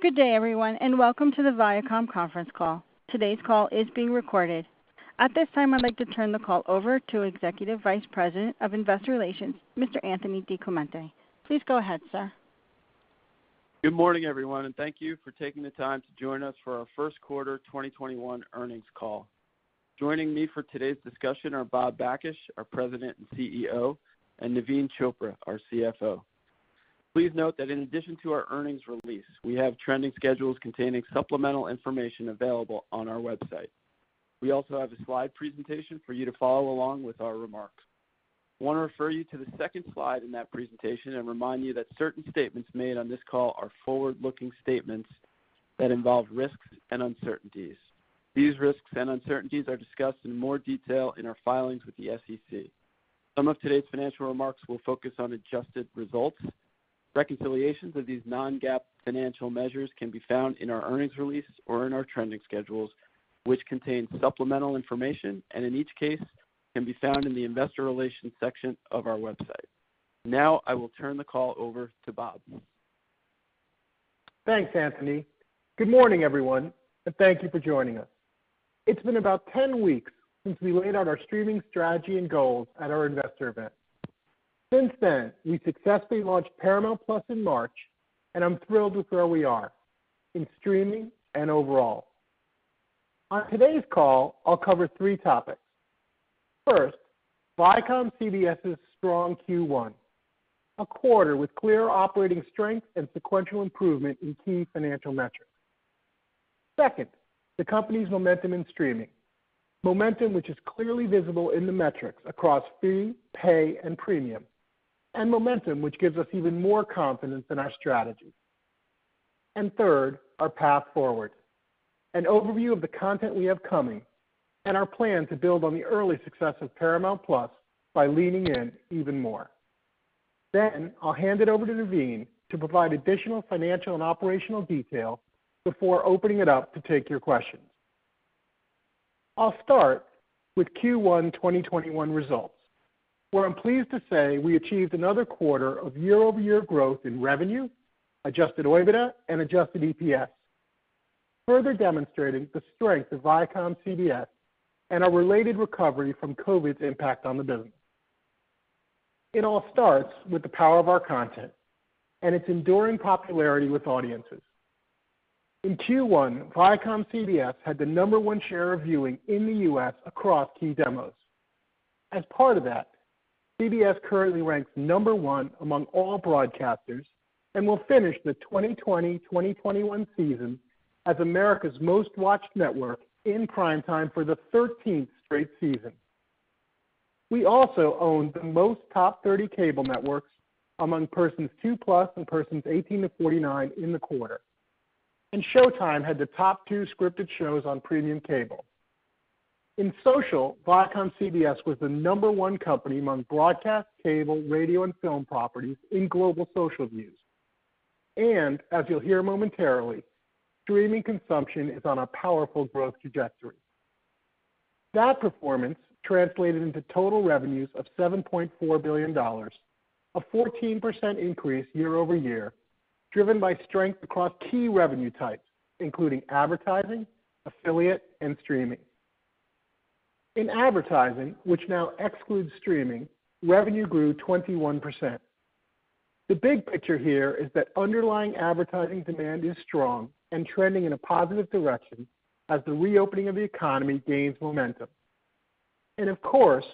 Good day everyone, and welcome to the Viacom Conference Call. Today's call is being recorded. At this time, I'd like to turn the call over to Executive Vice President of Investor Relations, Mr. Anthony DiClemente. Please go ahead, sir. Good morning everyone. Thank you for taking the time to join us for our First Quarter 2021 Earnings Call. Joining me for today's discussion are Bob Bakish, our President and CEO, and Naveen Chopra, our CFO. Please note that in addition to our earnings release, we have trending schedules containing supplemental information available on our website. We also have a slide presentation for you to follow along with our remarks. I want to refer you to the second slide in that presentation and remind you that certain statements made on this call are forward-looking statements that involve risks and uncertainties. These risks and uncertainties are discussed in more detail in our filings with the SEC. Some of today's financial remarks will focus on adjusted results. Reconciliations of these non-GAAP financial measures can be found in our earnings release or in our trending schedules, which contain supplemental information, and in each case can be found in the investor relations section of our website. Now I will turn the call over to Bob. Thanks, Anthony. Good morning everyone, and thank you for joining us. It's been about 10 weeks since we laid out our streaming strategy and goals at our investor event. Since then, we successfully launched Paramount+ in March, and I'm thrilled with where we are in streaming and overall. On today's call, I'll cover three topics. First, ViacomCBS's strong Q1, a quarter with clear operating strength and sequential improvement in key financial metrics. Second, the company's momentum in streaming. Momentum, which is clearly visible in the metrics across free, pay, and premium. Momentum, which gives us even more confidence in our strategy. Third, our path forward. An overview of the content we have coming and our plan to build on the early success of Paramount+ by leaning in even more. I'll hand it over to Naveen to provide additional financial and operational detail before opening it up to take your questions. I'll start with Q1 2021 results, where I'm pleased to say we achieved another quarter of year-over-year growth in revenue, adjusted OIBDA, and adjusted EPS. Further demonstrating the strength of ViacomCBS and our related recovery from COVID's impact on the business. It all starts with the power of our content and its enduring popularity with audiences. In Q1, ViacomCBS had the number one share of viewing in the U.S. across key demos. As part of that, CBS currently ranks number one among all broadcasters and will finish the 2020-2021 season as America's most-watched network in prime time for the 13th straight season. We also own the most top 30 cable networks among persons two plus and persons 18 to 49 in the quarter. Showtime had the top two scripted shows on premium cable. In social, ViacomCBS was the number one company among broadcast, cable, radio, and film properties in global social views. As you'll hear momentarily, streaming consumption is on a powerful growth trajectory. That performance translated into total revenues of $7.4 billion, a 14% increase year-over-year, driven by strength across key revenue types, including advertising, affiliate, and streaming. In advertising, which now excludes streaming, revenue grew 21%. The big picture here is that underlying advertising demand is strong and trending in a positive direction as the reopening of the economy gains momentum. Of course,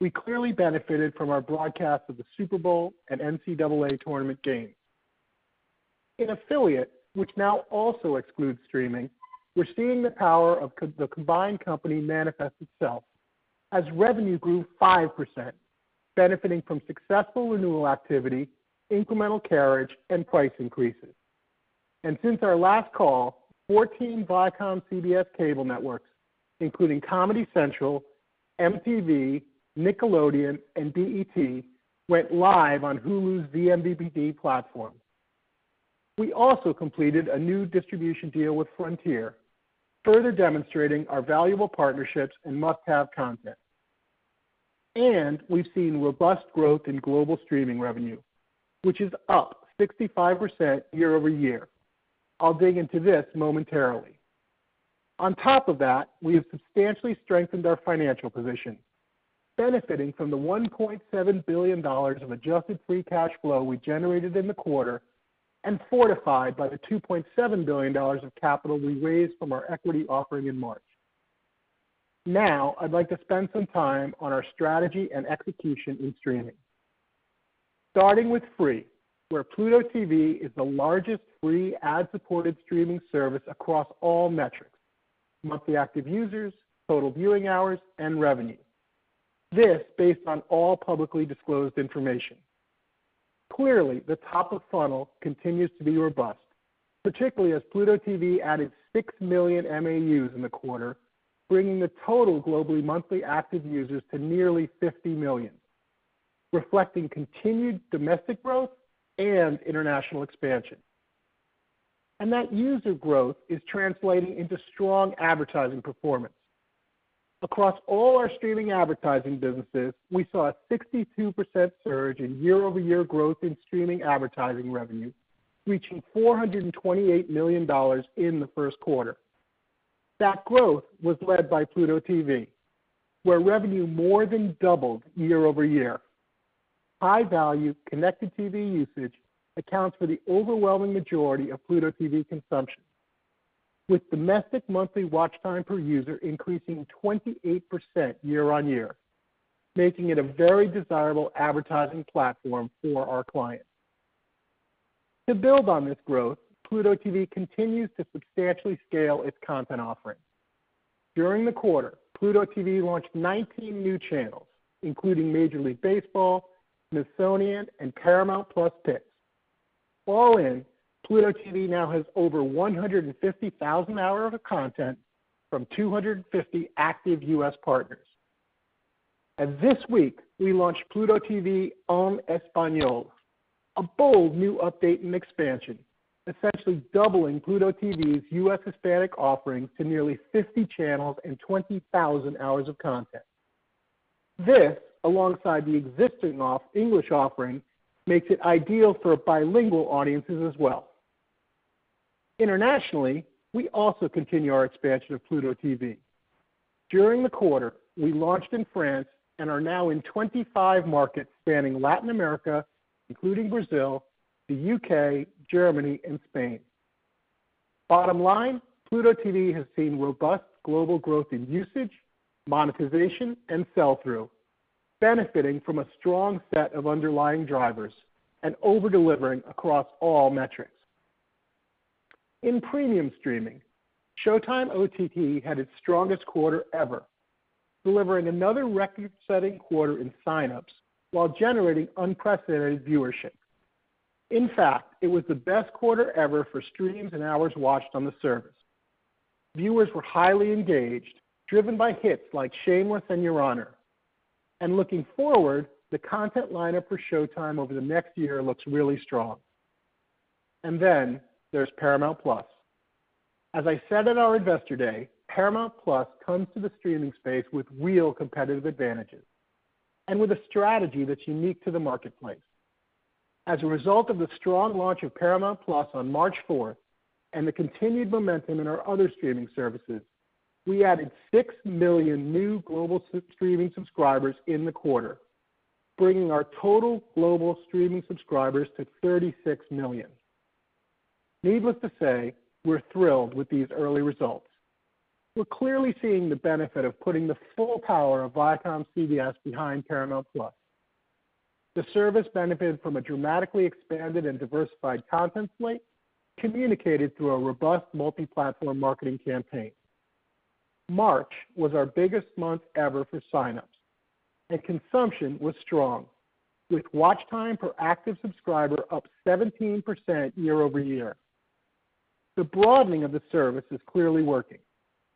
we clearly benefited from our broadcast of the Super Bowl and NCAA tournament games. In affiliate, which now also excludes streaming, we're seeing the power of the combined company manifest itself as revenue grew 5%, benefiting from successful renewal activity, incremental carriage, and price increases. Since our last call, 14 ViacomCBS cable networks, including Comedy Central, MTV, Nickelodeon, and BET, went live on Hulu's vMVPD platform. We also completed a new distribution deal with Frontier, further demonstrating our valuable partnerships and must-have content. We've seen robust growth in global streaming revenue, which is up 65% year-over-year. I'll dig into this momentarily. On top of that, we have substantially strengthened our financial position, benefiting from the $1.7 billion of adjusted free cash flow we generated in the quarter and fortified by the $2.7 billion of capital we raised from our equity offering in March. I'd like to spend some time on our strategy and execution in streaming. Starting with free, where Pluto TV is the largest free ad-supported streaming service across all metrics: monthly active users, total viewing hours, and revenue. This based on all publicly disclosed information. Clearly, the top of funnel continues to be robust, particularly as Pluto TV added 6 million MAUs in the quarter, bringing the total globally monthly active users to nearly 50 million. Reflecting continued domestic growth and international expansion. That user growth is translating into strong advertising performance. Across all our streaming advertising businesses, we saw a 62% surge in year-over-year growth in streaming advertising revenue, reaching $428 million in the first quarter. That growth was led by Pluto TV, where revenue more than doubled year-over-year. High-value connected TV usage accounts for the overwhelming majority of Pluto TV consumption, with domestic monthly watch time per user increasing 28% year-on-year, making it a very desirable advertising platform for our clients. To build on this growth, Pluto TV continues to substantially scale its content offerings. During the quarter, Pluto TV launched 19 new channels, including Major League Baseball, Smithsonian, and Paramount+ Picks. All in, Pluto TV now has over 150,000 hours of content from 250 active U.S. partners. This week, we launched Pluto TV en Español, a bold new update and expansion, essentially doubling Pluto TV's U.S. Hispanic offerings to nearly 50 channels and 20,000 hours of content. This, alongside the existing English offering, makes it ideal for bilingual audiences as well. Internationally, we also continue our expansion of Pluto TV. During the quarter, we launched in France and are now in 25 markets spanning Latin America, including Brazil, the U.K., Germany, and Spain. Bottom line, Pluto TV has seen robust global growth in usage, monetization, and sell-through, benefiting from a strong set of underlying drivers and over-delivering across all metrics. In premium streaming, Showtime OTT had its strongest quarter ever, delivering another record-setting quarter in signups while generating unprecedented viewership. In fact, it was the best quarter ever for streams and hours watched on the service. Viewers were highly engaged, driven by hits like Shameless and Your Honor. Looking forward, the content lineup for Showtime over the next year looks really strong. There's Paramount+. As I said at our Investor Day, Paramount+ comes to the streaming space with real competitive advantages and with a strategy that's unique to the marketplace. As a result of the strong launch of Paramount+ on March 4th and the continued momentum in our other streaming services, we added 6 million new global streaming subscribers in the quarter, bringing our total global streaming subscribers to 36 million. Needless to say, we're thrilled with these early results. We're clearly seeing the benefit of putting the full power of ViacomCBS behind Paramount+. The service benefited from a dramatically expanded and diversified content slate communicated through a robust multi-platform marketing campaign. March was our biggest month ever for signups, and consumption was strong, with watch time per active subscriber up 17% year-over-year. The broadening of the service is clearly working.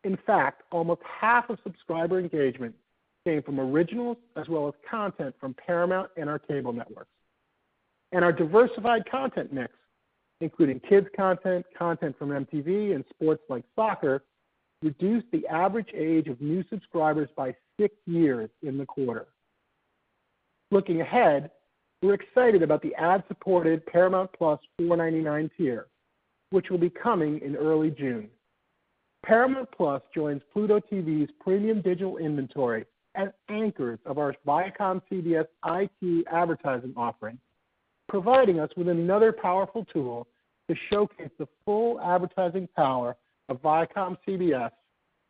In fact, almost half of subscriber engagement came from originals as well as content from Paramount and our cable networks. Our diversified content mix, including kids content from MTV, and sports like soccer, reduced the average age of new subscribers by six years in the quarter. Looking ahead, we're excited about the ad-supported Paramount+ $4.99 tier, which will be coming in early June. Paramount+ joins Pluto TV's premium digital inventory and anchors of our ViacomCBS IT advertising offering, providing us with another powerful tool to showcase the full advertising power of ViacomCBS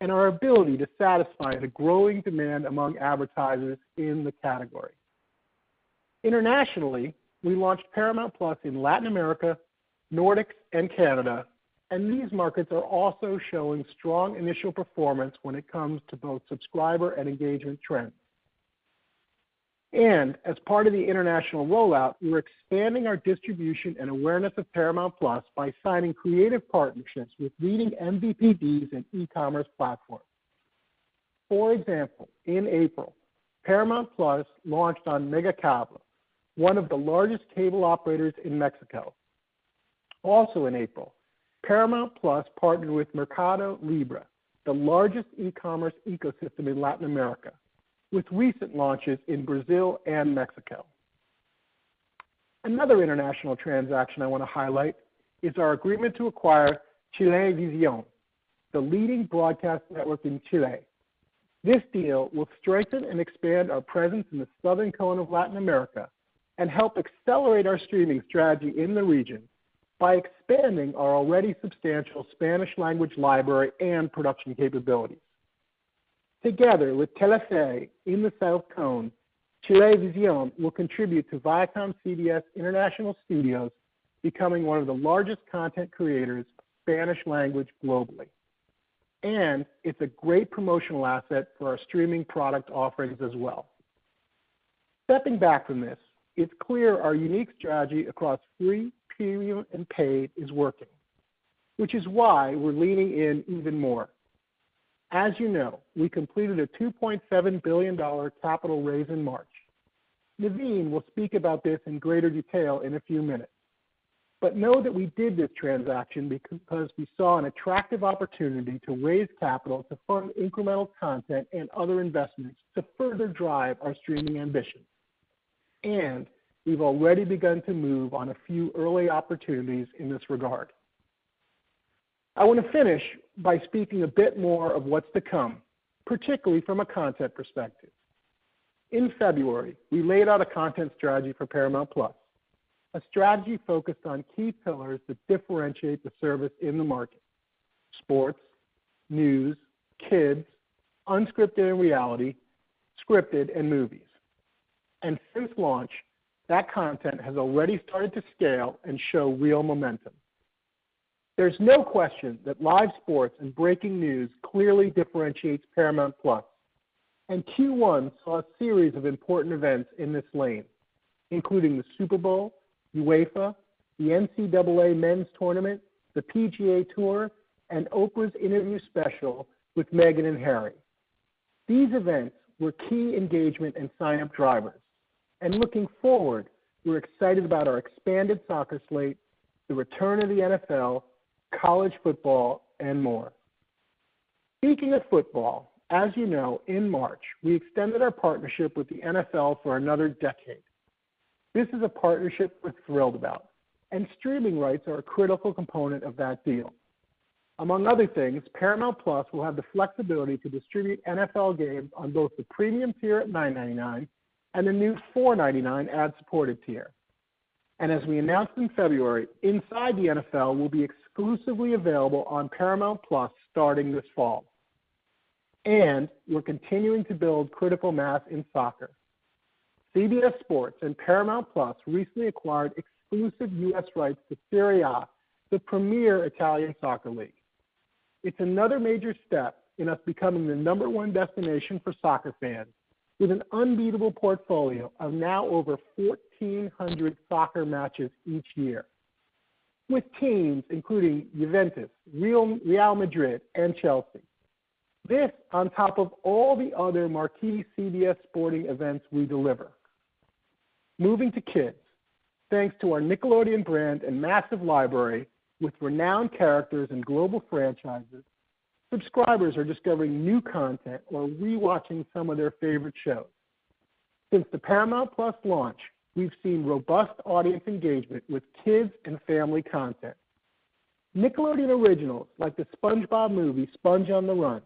and our ability to satisfy the growing demand among advertisers in the category. Internationally, we launched Paramount+ in Latin America, Nordics, and Canada, and these markets are also showing strong initial performance when it comes to both subscriber and engagement trends. As part of the international rollout, we're expanding our distribution and awareness of Paramount+ by signing creative partnerships with leading MVPDs and e-commerce platforms. For example, in April, Paramount+ launched on Megacable, one of the largest cable operators in Mexico. Also in April, Paramount+ partnered with Mercado Libre, the largest e-commerce ecosystem in Latin America, with recent launches in Brazil and Mexico. Another international transaction I want to highlight is our agreement to acquire Chilevisión, the leading broadcast network in Chile. This deal will strengthen and expand our presence in the Southern Cone of Latin America and help accelerate our streaming strategy in the region by expanding our already substantial Spanish language library and production capabilities. Together with Telefe in the Southern Cone, Chilevisión will contribute to ViacomCBS International Studios becoming one of the largest content creators, Spanish language globally. It's a great promotional asset for our streaming product offerings as well. Stepping back from this, it's clear our unique strategy across free, premium, and paid is working, which is why we're leaning in even more. As you know, we completed a $2.7 billion capital raise in March. Naveen will speak about this in greater detail in a few minutes. Know that we did this transaction because we saw an attractive opportunity to raise capital to fund incremental content and other investments to further drive our streaming ambition. We've already begun to move on a few early opportunities in this regard. I want to finish by speaking a bit more of what's to come, particularly from a content perspective. In February, we laid out a content strategy for Paramount+, a strategy focused on key pillars that differentiate the service in the market. Sports, news, kids, unscripted and reality, scripted, and movies. Since launch, that content has already started to scale and show real momentum. There's no question that live sports and breaking news clearly differentiates Paramount+. Q1 saw a series of important events in this lane, including the Super Bowl, UEFA, the NCAA Men's Tournament, the PGA Tour, and Oprah's interview special with Meghan and Harry. These events were key engagement and signup drivers. Looking forward, we're excited about our expanded soccer slate, the return of the NFL, college football, and more. Speaking of football, as you know, in March, we extended our partnership with the NFL for another decade. This is a partnership we're thrilled about, and streaming rights are a critical component of that deal. Among other things, Paramount+ will have the flexibility to distribute NFL games on both the premium tier at $9.99 and the new $4.99 ad-supported tier. As we announced in February, Inside the NFL will be exclusively available on Paramount+ starting this fall. We're continuing to build critical mass in soccer. CBS Sports and Paramount+ recently acquired exclusive U.S. rights to Serie A, the premier Italian soccer league. It's another major step in us becoming the number one destination for soccer fans, with an unbeatable portfolio of now over 1,400 soccer matches each year. With teams including Juventus, Real Madrid, and Chelsea. This on top of all the other marquee CBS sporting events we deliver. Moving to kids. Thanks to our Nickelodeon brand and massive library with renowned characters and global franchises, subscribers are discovering new content or re-watching some of their favorite shows. Since the Paramount+ launch, we've seen robust audience engagement with kids and family content. Nickelodeon originals like The SpongeBob Movie: Sponge on the Run,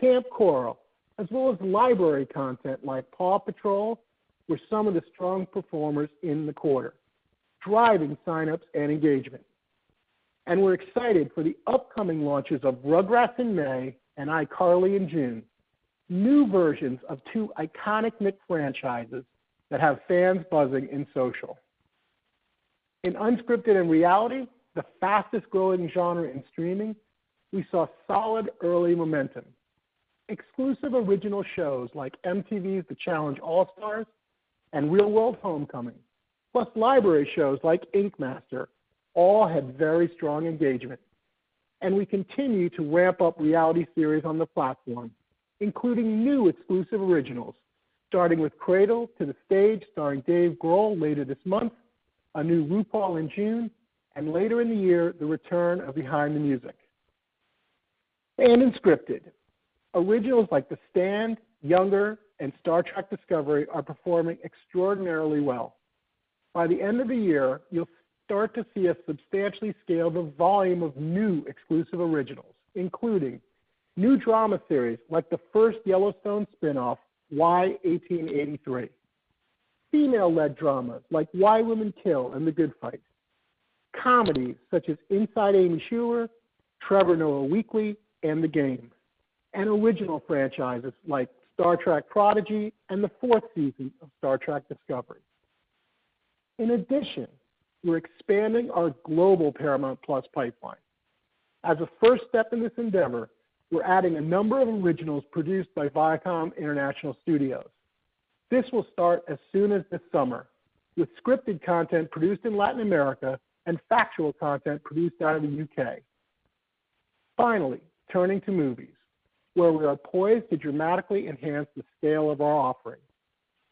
Kamp Koral, as well as library content like PAW Patrol, were some of the strong performers in the quarter, driving signups and engagement. We're excited for the upcoming launches of Rugrats in May and iCarly in June, new versions of two iconic Nick franchises that have fans buzzing in social. In unscripted and reality, the fastest-growing genre in streaming, we saw solid early momentum. Exclusive original shows like MTV's The Challenge: All Stars and The Real World Homecoming, plus library shows like Ink Master, all had very strong engagement. We continue to ramp up reality series on the platform, including new exclusive originals, starting with From Cradle to Stage starring Dave Grohl later this month, a new RuPaul in June, and later in the year, the return of Behind the Music. In scripted, originals like The Stand, Younger, and Star Trek: Discovery are performing extraordinarily well. By the end of the year, you'll start to see a substantially scaled volume of new exclusive originals, including new drama series like the first Yellowstone spinoff, 1883, female-led dramas like Why Women Kill and The Good Fight, comedies such as Inside Amy Schumer, with Trevor Noah, and The Game, and original franchises like Star Trek: Prodigy and the fourth season of Star Trek: Discovery. In addition, we're expanding our global Paramount+ pipeline. As a first step in this endeavor, we're adding a number of originals produced by Viacom International Studios. This will start as soon as this summer with scripted content produced in Latin America and factual content produced out of the U.K.. Finally, turning to movies, where we are poised to dramatically enhance the scale of our offering.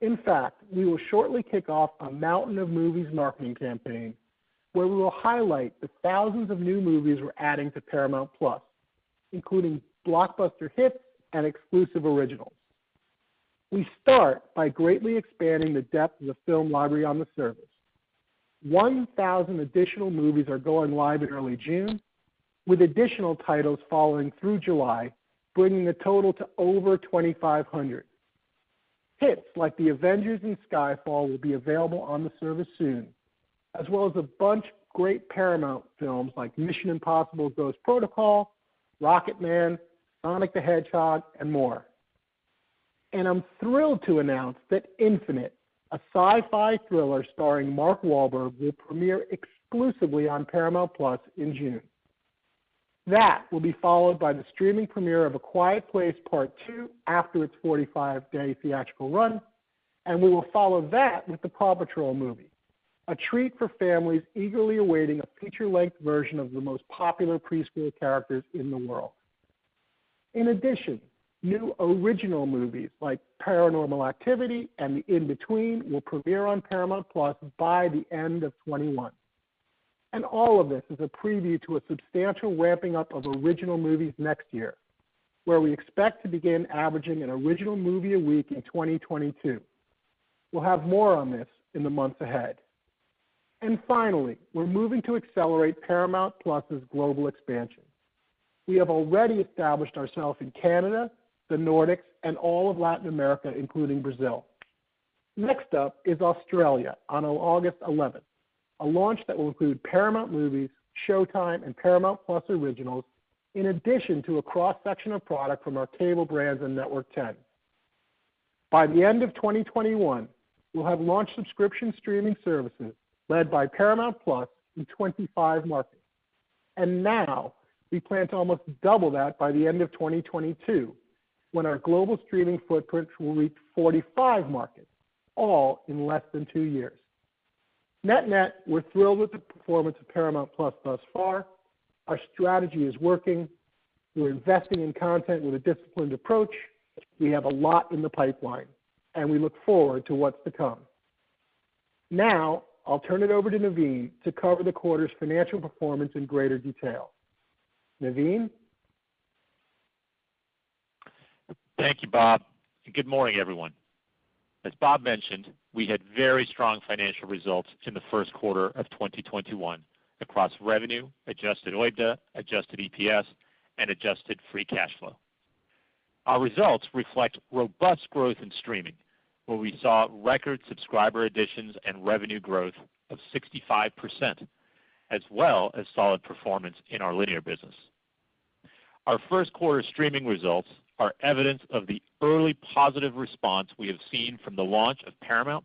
In fact, we will shortly kick off a Mountain of Movies marketing campaign where we will highlight the thousands of new movies we're adding to Paramount+, including blockbuster hits and exclusive originals. We start by greatly expanding the depth of the film library on the service. 1,000 additional movies are going live in early June, with additional titles following through July, bringing the total to over 2,500. Hits like The Avengers and Skyfall will be available on the service soon, as well as a bunch of great Paramount films like Mission: Impossible – Ghost Protocol, Rocketman, Sonic the Hedgehog, and more. I'm thrilled to announce that Infinite, a sci-fi thriller starring Mark Wahlberg, will premiere exclusively on Paramount+ in June. That will be followed by the streaming premiere of A Quiet Place Part II after its 45-day theatrical run. We will follow that with the PAW Patrol movie. A treat for families eagerly awaiting a feature-length version of the most popular preschool characters in the world. In addition, new original movies like Paranormal Activity and The In Between will premiere on Paramount+ by the end of 2021. All of this is a preview to a substantial ramping up of original movies next year, where we expect to begin averaging an original movie a week in 2022. We'll have more on this in the months ahead. Finally, we're moving to accelerate Paramount+'s global expansion. We have already established ourselves in Canada, the Nordics, and all of Latin America, including Brazil. Next up is Australia on August 11th, a launch that will include Paramount Movies, Showtime, and Paramount+ originals, in addition to a cross-section of product from our cable brands and Network 10. By the end of 2021, we'll have launched subscription streaming services led by Paramount+ in 25 markets. Now we plan to almost double that by the end of 2022, when our global streaming footprint will reach 45 markets, all in less than two years. Net-net, we're thrilled with the performance of Paramount+ thus far. Our strategy is working. We're investing in content with a disciplined approach. We have a lot in the pipeline, and we look forward to what's to come. Now, I'll turn it over to Naveen to cover the quarter's financial performance in greater detail. Naveen? Thank you, Bob. Good morning, everyone. As Bob mentioned, we had very strong financial results in the first quarter of 2021 across revenue, adjusted OIBDA, adjusted EPS, and adjusted free cash flow. Our results reflect robust growth in streaming, where we saw record subscriber additions and revenue growth of 65%, as well as solid performance in our linear business. Our first quarter streaming results are evidence of the early positive response we have seen from the launch of Paramount+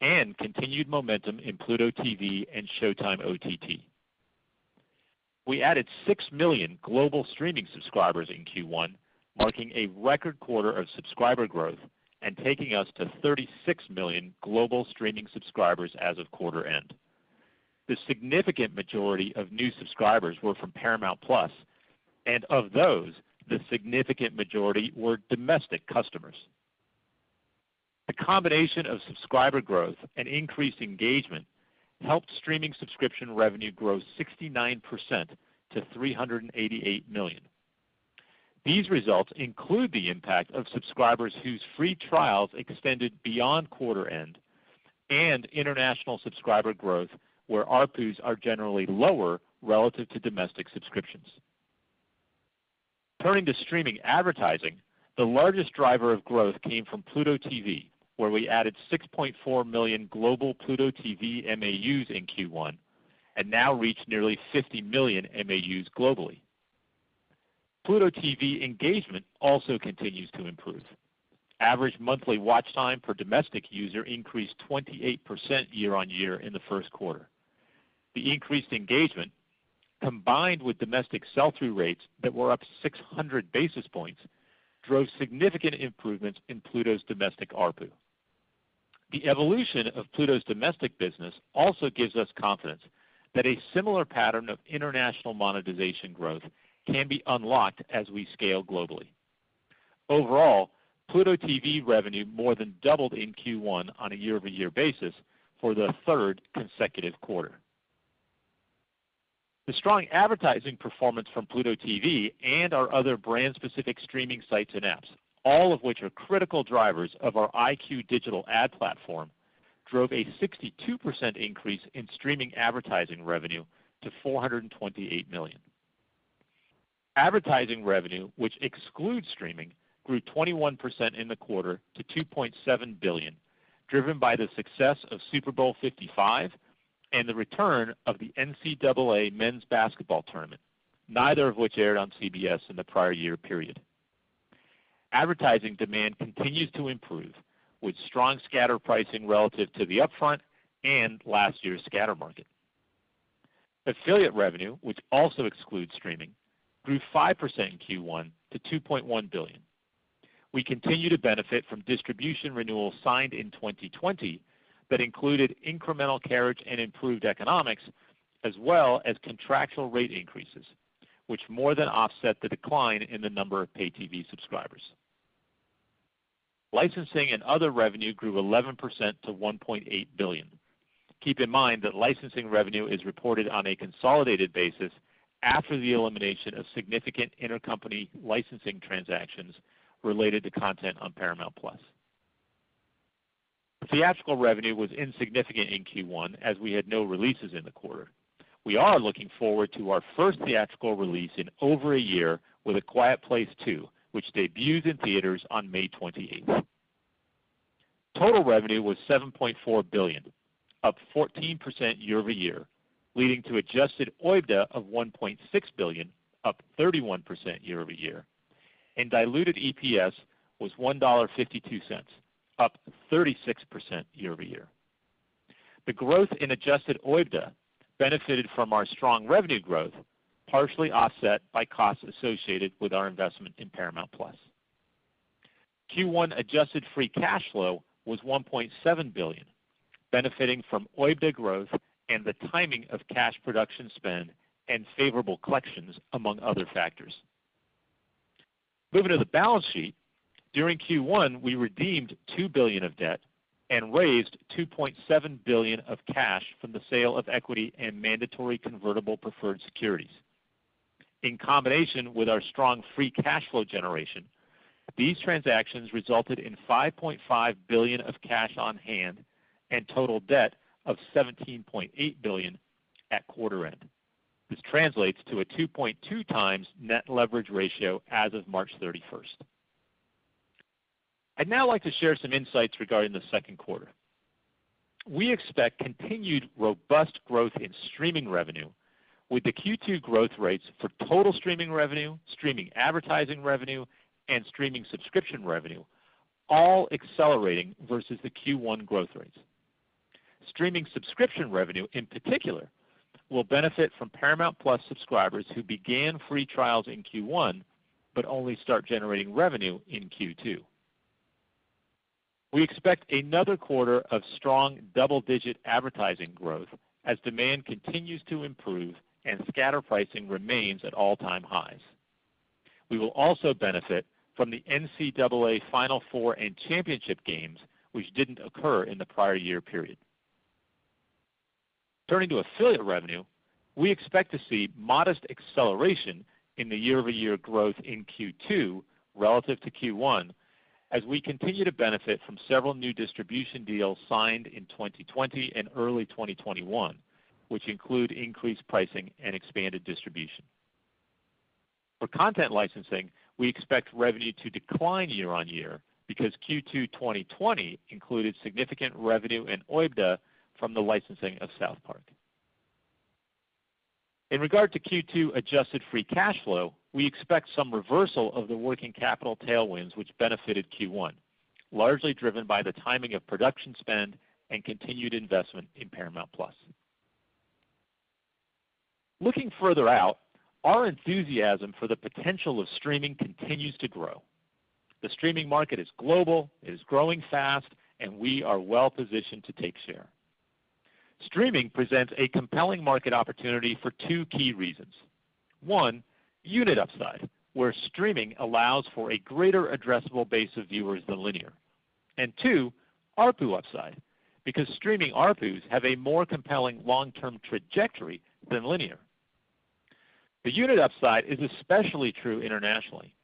and continued momentum in Pluto TV and Showtime OTT. We added 6 million global streaming subscribers in Q1, marking a record quarter of subscriber growth and taking us to 36 million global streaming subscribers as of quarter end. The significant majority of new subscribers were from Paramount+, and of those, the significant majority were domestic customers. The combination of subscriber growth and increased engagement helped streaming subscription revenue grow 69% to $388 million. These results include the impact of subscribers whose free trials extended beyond quarter end and international subscriber growth, where ARPUs are generally lower relative to domestic subscriptions. Turning to streaming advertising, the largest driver of growth came from Pluto TV, where we added 6.4 million global Pluto TV MAUs in Q1 and now reach nearly 50 million MAUs globally. Pluto TV engagement also continues to improve. Average monthly watch time per domestic user increased 28% year-on-year in the first quarter. The increased engagement, combined with domestic sell-through rates that were up 600 basis points, drove significant improvements in Pluto's domestic ARPU. The evolution of Pluto's domestic business also gives us confidence that a similar pattern of international monetization growth can be unlocked as we scale globally. Overall, Pluto TV revenue more than doubled in Q1 on a year-over-year basis for the third consecutive quarter. The strong advertising performance from Pluto TV and our other brand-specific streaming sites and apps, all of which are critical drivers of our EyeQ digital ad platform, drove a 62% increase in streaming advertising revenue to $428 million. Advertising revenue, which excludes streaming, grew 21% in the quarter to $2.7 billion, driven by the success of Super Bowl LV and the return of the NCAA Men's Basketball Tournament, neither of which aired on CBS in the prior year period. Advertising demand continues to improve with strong scatter pricing relative to the upfront and last year's scatter market. Affiliate revenue, which also excludes streaming, grew 5% in Q1 to $2.1 billion. We continue to benefit from distribution renewals signed in 2020 that included incremental carriage and improved economics, as well as contractual rate increases, which more than offset the decline in the number of pay TV subscribers. Licensing and other revenue grew 11% to $1.8 billion. Keep in mind that licensing revenue is reported on a consolidated basis after the elimination of significant intercompany licensing transactions related to content on Paramount+. Theatrical revenue was insignificant in Q1, as we had no releases in the quarter. We are looking forward to our first theatrical release in over a year with A Quiet Place Part II, which debuts in theaters on May 28th. Total revenue was $7.4 billion, up 14% year-over-year, leading to adjusted OIBDA of $1.6 billion, up 31% year-over-year, and diluted EPS was $1.52, up 36% year-over-year. The growth in adjusted OIBDA benefited from our strong revenue growth, partially offset by costs associated with our investment in Paramount+. Q1 adjusted free cash flow was $1.7 billion, benefiting from OIBDA growth and the timing of cash production spend and favorable collections, among other factors. Moving to the balance sheet, during Q1, we redeemed $2 billion of debt and raised $2.7 billion of cash from the sale of equity and mandatory convertible preferred securities. In combination with our strong free cash flow generation, these transactions resulted in $5.5 billion of cash on hand and total debt of $17.8 billion at quarter end. This translates to a 2.2x net leverage ratio as of March 31st. I'd now like to share some insights regarding the second quarter. We expect continued robust growth in streaming revenue with the Q2 growth rates for total streaming revenue, streaming advertising revenue, and streaming subscription revenue all accelerating versus the Q1 growth rates. Streaming subscription revenue, in particular, will benefit from Paramount+ subscribers who began free trials in Q1 but only start generating revenue in Q2. We expect another quarter of strong double-digit advertising growth as demand continues to improve and scatter pricing remains at all-time highs. We will also benefit from the NCAA Final Four championship games, which didn't occur in the prior year period. Turning to affiliate revenue, we expect to see modest acceleration in the year-over-year growth in Q2 relative to Q1 as we continue to benefit from several new distribution deals signed in 2020 and early 2021, which include increased pricing and expanded distribution. For content licensing, we expect revenue to decline year-on-year because Q2 2020 included significant revenue and adjusted OIBDA from the licensing of South Park. In regard to Q2 adjusted free cash flow, we expect some reversal of the working capital tailwinds which benefited Q1, largely driven by the timing of production spend and continued investment in Paramount+. Looking further out, our enthusiasm for the potential of streaming continues to grow. The streaming market is global, it is growing fast, and we are well-positioned to take share. Streaming presents a compelling market opportunity for two key reasons. One, unit upside, where streaming allows for a greater addressable base of viewers than linear. Two, ARPU upside, because streaming ARPUs have a more compelling long-term trajectory than linear. The unit upside is especially true internationally,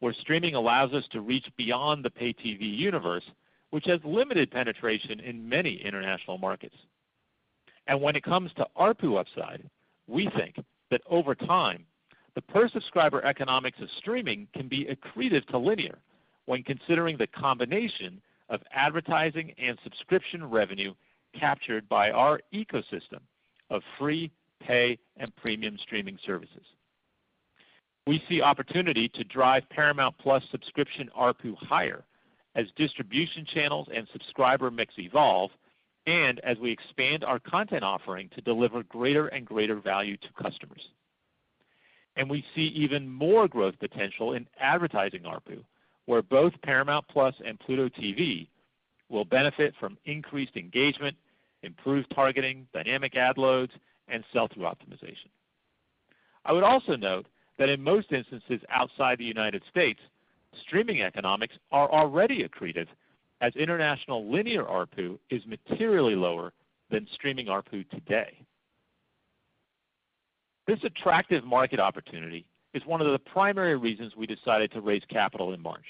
where streaming allows us to reach beyond the pay TV universe, which has limited penetration in many international markets. When it comes to ARPU upside, we think that over time, the per-subscriber economics of streaming can be accreted to linear when considering the combination of advertising and subscription revenue captured by our ecosystem of free pay and premium streaming services. We see opportunity to drive Paramount+ subscription ARPU higher as distribution channels and subscriber mix evolve and as we expand our content offering to deliver greater and greater value to customers. We see even more growth potential in advertising ARPU, where both Paramount+ and Pluto TV will benefit from increased engagement, improved targeting, dynamic ad loads, and sell-through optimization. I would also note that in most instances outside the U.S., streaming economics are already accreted as international linear ARPU is materially lower than streaming ARPU today. This attractive market opportunity is one of the primary reasons we decided to raise capital in March.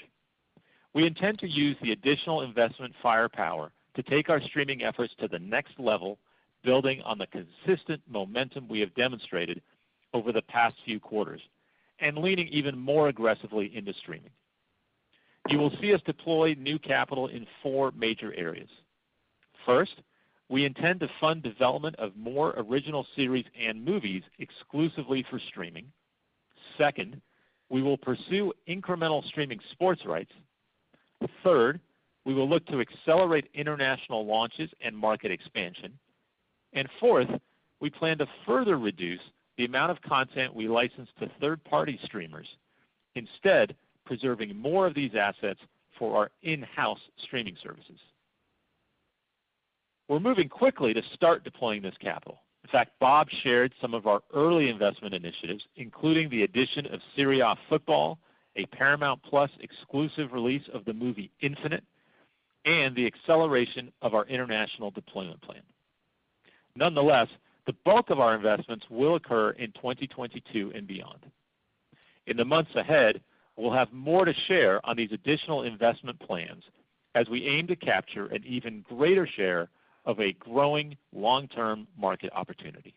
We intend to use the additional investment firepower to take our streaming efforts to the next level, building on the consistent momentum we have demonstrated over the past few quarters and leaning even more aggressively into streaming. You will see us deploy new capital in four major areas. First, we intend to fund development of more original series and movies exclusively for streaming. Second, we will pursue incremental streaming sports rights. Third, we will look to accelerate international launches and market expansion. Fourth, we plan to further reduce the amount of content we license to third-party streamers, instead preserving more of these assets for our in-house streaming services. We're moving quickly to start deploying this capital. In fact, Bob shared some of our early investment initiatives, including the addition of Serie A football, a Paramount+ exclusive release of the movie Infinite, and the acceleration of our international deployment plan. Nonetheless, the bulk of our investments will occur in 2022 and beyond. In the months ahead, we'll have more to share on these additional investment plans as we aim to capture an even greater share of a growing long-term market opportunity.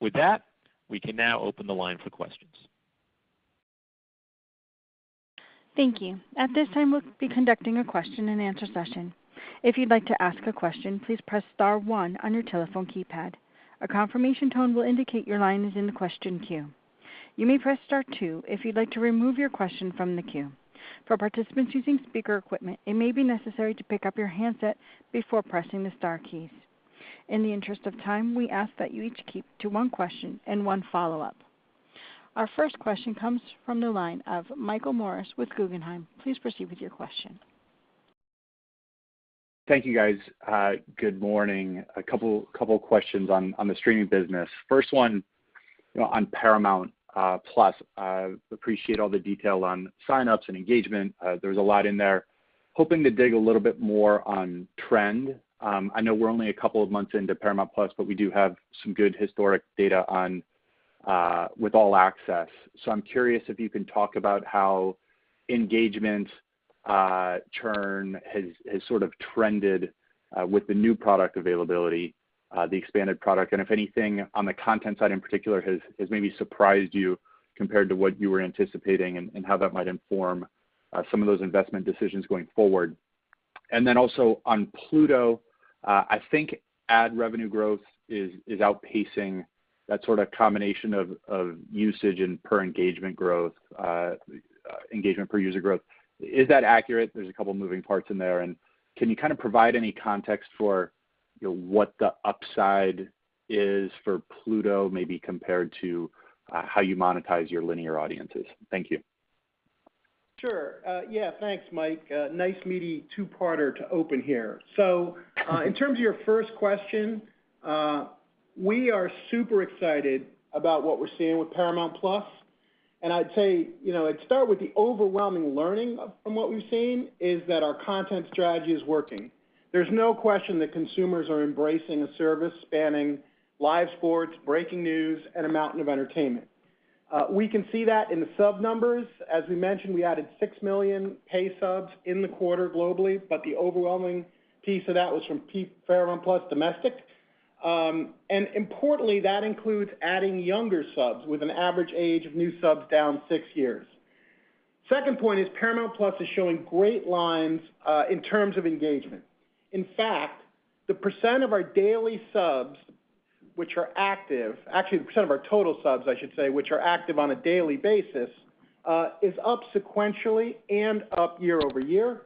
With that, we can now open the line for questions. Thank you. At this time, we'll be conducting a question and answer session. If you'd like to ask a question, please press star one on your telephone keypad. A confirmation tone will indicate your line is in the question queue. You may press star two if you'd like to remove your question from the queue. For participants using speaker equipment, it may be necessary to pick up your handset before pressing the star keys. In the interest of time, we ask that you each keep to one question and one follow-up. Our first question comes from the line of Michael Morris with Guggenheim. Please proceed with your question. Thank you, guys. Good morning. A couple of questions on the streaming business. First one on Paramount+. Appreciate all the detail on sign-ups and engagement. There's a lot in there. Hoping to dig a little bit more on trend. I know we're only a couple of months into Paramount+, but we do have some good historic data with All Access. I'm curious if you can talk about how engagement churn has sort of trended with the new product availability, the expanded product, and if anything on the content side in particular has maybe surprised you compared to what you were anticipating, and how that might inform some of those investment decisions going forward. Also on Pluto, I think ad revenue growth is outpacing that sort of combination of usage and per engagement growth, engagement per user growth. Is that accurate? There's a couple of moving parts in there. Can you kind of provide any context for what the upside is for Pluto maybe compared to how you monetize your linear audiences? Thank you. Thanks, Mike. Nice meaty two-parter to open here. In terms of your first question, we are super excited about what we're seeing with Paramount+. I'd start with the overwhelming learning from what we've seen is that our content strategy is working. There's no question that consumers are embracing a service spanning live sports, breaking news, and a mountain of entertainment. We can see that in the sub numbers. As we mentioned, we added 6 million pay subs in the quarter globally, but the overwhelming piece of that was from Paramount+ domestic. Importantly, that includes adding younger subs with an average age of new subs down six years. Second point is Paramount+ is showing great lines in terms of engagement. In fact, the percent of our daily subs which are active, actually the percent of our total subs, I should say, which are active on a daily basis, is up sequentially and up year-over-year.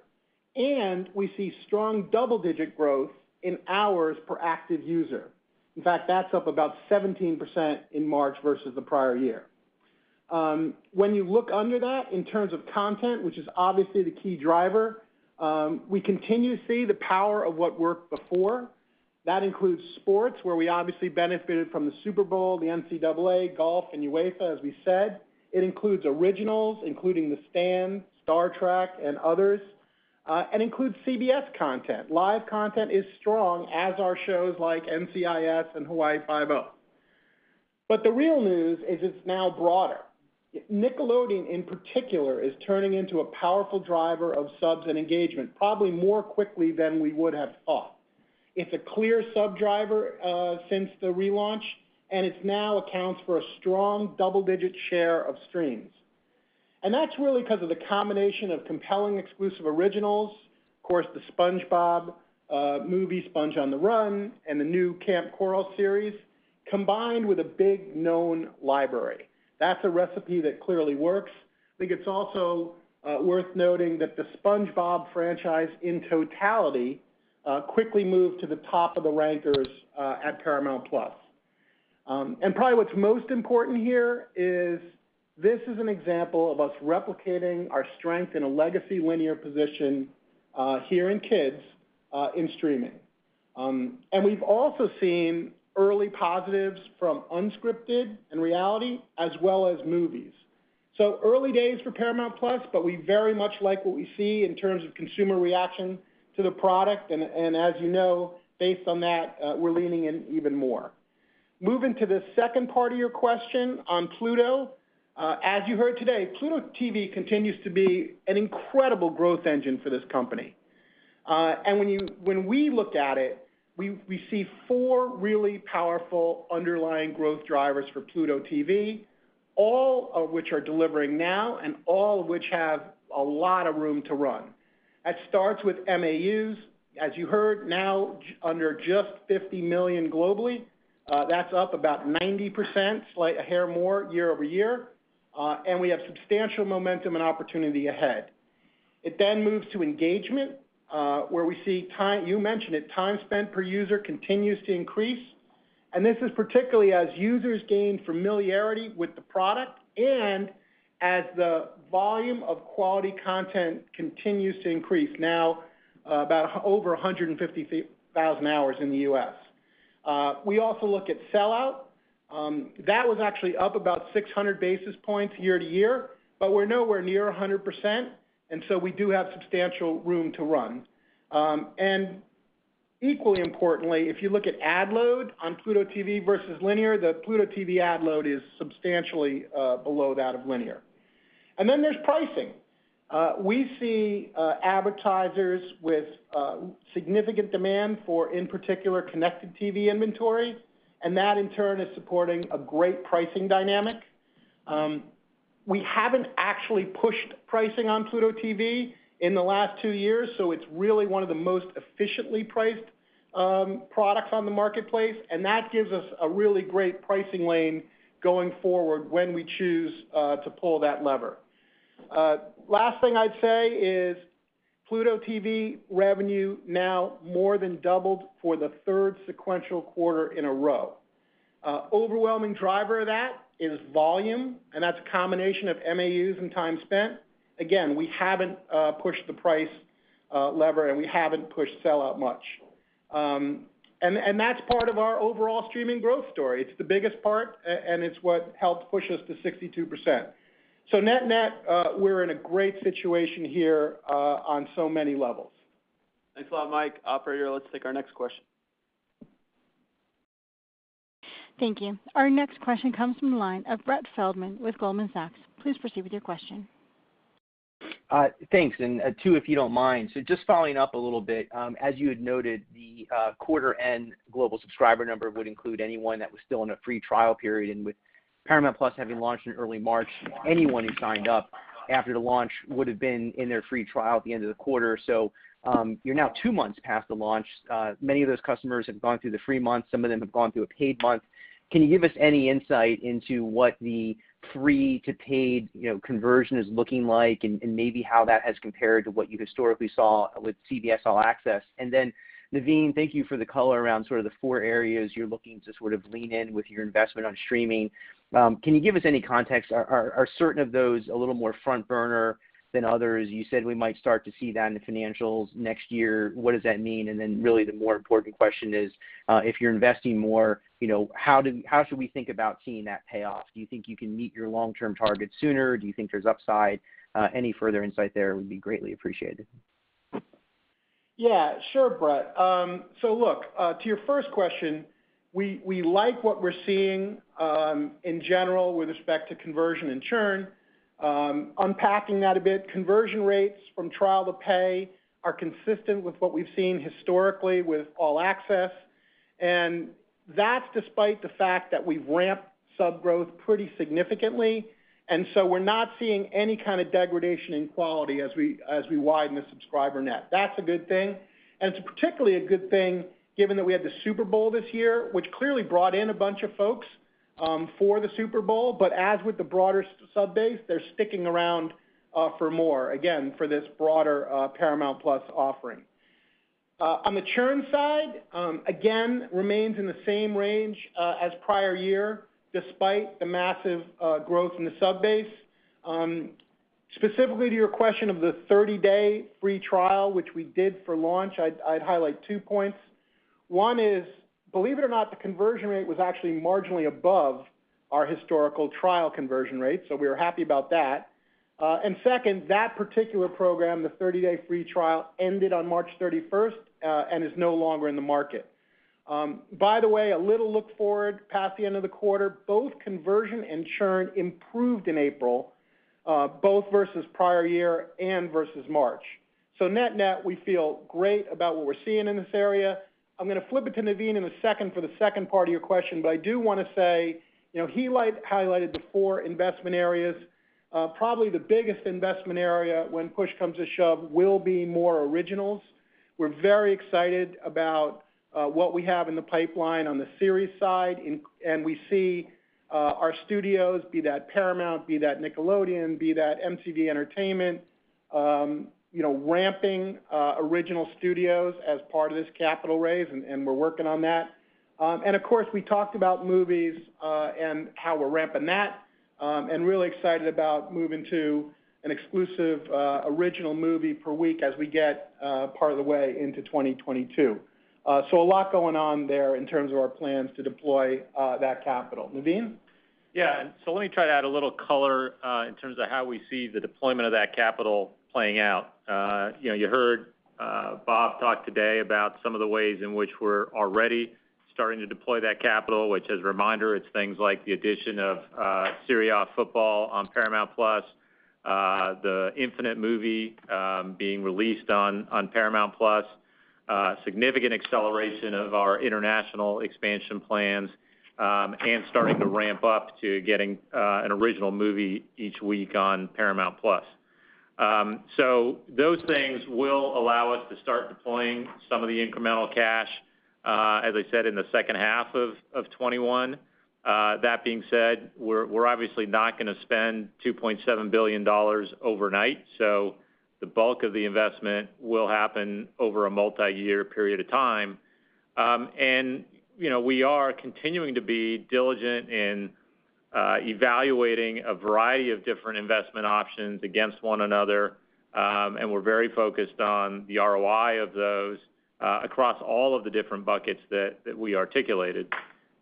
We see strong double-digit growth in hours per active user. In fact, that's up about 17% in March versus the prior year. When you look under that in terms of content, which is obviously the key driver, we continue to see the power of what worked before. That includes sports, where we obviously benefited from the Super Bowl, the NCAA, golf, and UEFA, as we said. It includes originals, including The Stand, Star Trek and others, and includes CBS content. Live content is strong, as are shows like NCIS and Hawaii Five-0. The real news is it's now broader. Nickelodeon, in particular, is turning into a powerful driver of subs and engagement, probably more quickly than we would have thought. It's a clear sub driver since the relaunch, and it now accounts for a strong double-digit share of streams. That's really because of the combination of compelling exclusive originals, of course, The SpongeBob Movie: Sponge on the Run, and the new Kamp Koral series, combined with a big known library. That's a recipe that clearly works. I think it's also worth noting that the SpongeBob franchise, in totality, quickly moved to the top of the rankers at Paramount+. Probably what's most important here is this is an example of us replicating our strength in a legacy linear position here in Kids, in streaming. We've also seen early positives from unscripted and reality, as well as movies. Early days for Paramount+, but we very much like what we see in terms of consumer reaction to the product. As you know, based on that, we're leaning in even more. Moving to the second part of your question on Pluto. As you heard today, Pluto TV continues to be an incredible growth engine for this company. When we looked at it, we see four really powerful underlying growth drivers for Pluto TV, all of which are delivering now and all of which have a lot of room to run. That starts with MAUs, as you heard, now under just 50 million globally. That's up about 90%, a hair more year-over-year. We have substantial momentum and opportunity ahead. It then moves to engagement, where we see, you mentioned it, time spent per user continues to increase. This is particularly as users gain familiarity with the product and as the volume of quality content continues to increase. About over 150,000 hours in the U.S.. We also look at sellout. That was actually up about 600 basis points year-to-year, we're nowhere near 100%, we do have substantial room to run. Equally importantly, if you look at ad load on Pluto TV versus linear, the Pluto TV ad load is substantially below that of linear. There's pricing. We see advertisers with significant demand for, in particular, connected TV inventory, that in turn is supporting a great pricing dynamic. We haven't actually pushed pricing on Pluto TV in the last two years, so it's really one of the most efficiently priced products on the marketplace, and that gives us a really great pricing lane going forward when we choose to pull that lever. Last thing I'd say is Pluto TV revenue now more than doubled for the third sequential quarter in a row. Overwhelming driver of that is volume, and that's a combination of MAUs and time spent. Again, we haven't pushed the price lever, and we haven't pushed sellout much. That's part of our overall streaming growth story. It's the biggest part, and it's what helped push us to 62%. Net-net, we're in a great situation here on so many levels. Thanks a lot, Mike. Operator, let's take our next question. Thank you. Our next question comes from the line of Brett Feldman with Goldman Sachs. Please proceed with your question. Thanks. Two, if you don't mind. Just following up a little bit. As you had noted, the quarter-end global subscriber number would include anyone that was still in a free trial period, and with Paramount+ having launched in early March, anyone who signed up after the launch would've been in their free trial at the end of the quarter. You're now two months past the launch. Many of those customers have gone through the free month. Some of them have gone through a paid month. Can you give us any insight into what the free to paid conversion is looking like and maybe how that has compared to what you historically saw with CBS All Access? Naveen, thank you for the color around sort of the four areas you're looking to sort of lean in with your investment on streaming. Can you give us any context? Are certain of those a little more front burner than others? You said we might start to see that in the financials next year. What does that mean? Really the more important question is, if you're investing more, how should we think about seeing that payoff? Do you think you can meet your long-term targets sooner? Do you think there's upside? Any further insight there would be greatly appreciated. Yeah. Sure, Brett. Look, to your first question, we like what we're seeing in general with respect to conversion and churn. Unpacking that a bit, conversion rates from trial to pay are consistent with what we've seen historically with All Access. That's despite the fact that we've ramped sub growth pretty significantly, we're not seeing any kind of degradation in quality as we widen the subscriber net. That's a good thing. It's particularly a good thing given that we had the Super Bowl this year, which clearly brought in a bunch of folks for the Super Bowl. As with the broader sub-base, they're sticking around for more, again, for this broader Paramount+ offering. On the churn side, again, remains in the same range as prior year despite the massive growth in the sub-base. Specifically to your question of the 30-day free trial, which we did for launch, I'd highlight two points. One is, believe it or not, the conversion rate was actually marginally above our historical trial conversion rate. We were happy about that. Second, that particular program, the 30-day free trial, ended on March 31st and is no longer in the market. By the way, a little look forward past the end of the quarter, both conversion and churn improved in April both versus prior year and versus March. Net-net, we feel great about what we're seeing in this area. I'm going to flip it to Naveen in a second for the second part of your question, I do want to say he highlighted the four investment areas. Probably the biggest investment area when push comes to shove will be more originals. We're very excited about what we have in the pipeline on the series side, and we see our studios, be that Paramount, be that Nickelodeon, be that MTV Entertainment, ramping original studios as part of this capital raise, and we're working on that. Of course, we talked about movies and how we're ramping that and really excited about moving to an exclusive original movie per week as we get part of the way into 2022. A lot going on there in terms of our plans to deploy that capital. Naveen? Yeah. Let me try to add a little color in terms of how we see the deployment of that capital playing out. You heard Bob talk today about some of the ways in which we're already starting to deploy that capital. Which as a reminder, it's things like the addition of Serie A football on Paramount+, the Infinite movie being released on Paramount+, significant acceleration of our international expansion plans, and starting to ramp up to getting an original movie each week on Paramount+. Those things will allow us to start deploying some of the incremental cash, as I said, in the second half of 2021. That being said, we're obviously not going to spend $2.7 billion overnight, the bulk of the investment will happen over a multi-year period of time. We are continuing to be diligent in evaluating a variety of different investment options against one another, and we're very focused on the ROI of those across all of the different buckets that we articulated.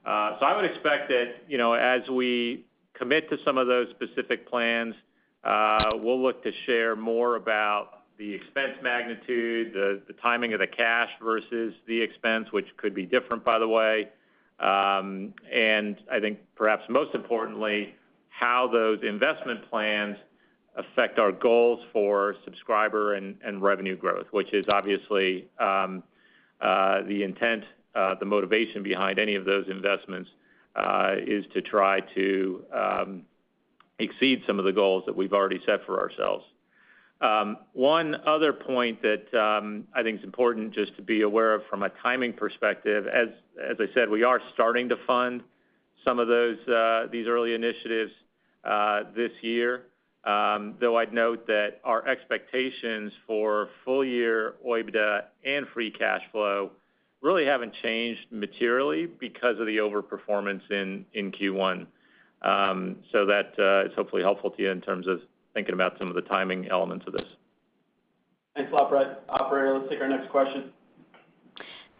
I would expect that as we commit to some of those specific plans, we'll look to share more about the expense magnitude, the timing of the cash versus the expense, which could be different, by the way. I think perhaps most importantly, how those investment plans affect our goals for subscriber and revenue growth, which is obviously the intent. The motivation behind any of those investments is to try to exceed some of the goals that we've already set for ourselves. One other point that I think is important just to be aware of from a timing perspective, as I said, we are starting to fund some of these early initiatives this year. Though I'd note that our expectations for full year OIBDA and free cash flow really haven't changed materially because of the over-performance in Q1. That is hopefully helpful to you in terms of thinking about some of the timing elements of this. Thanks a lot Brett. Operator, let's take our next question.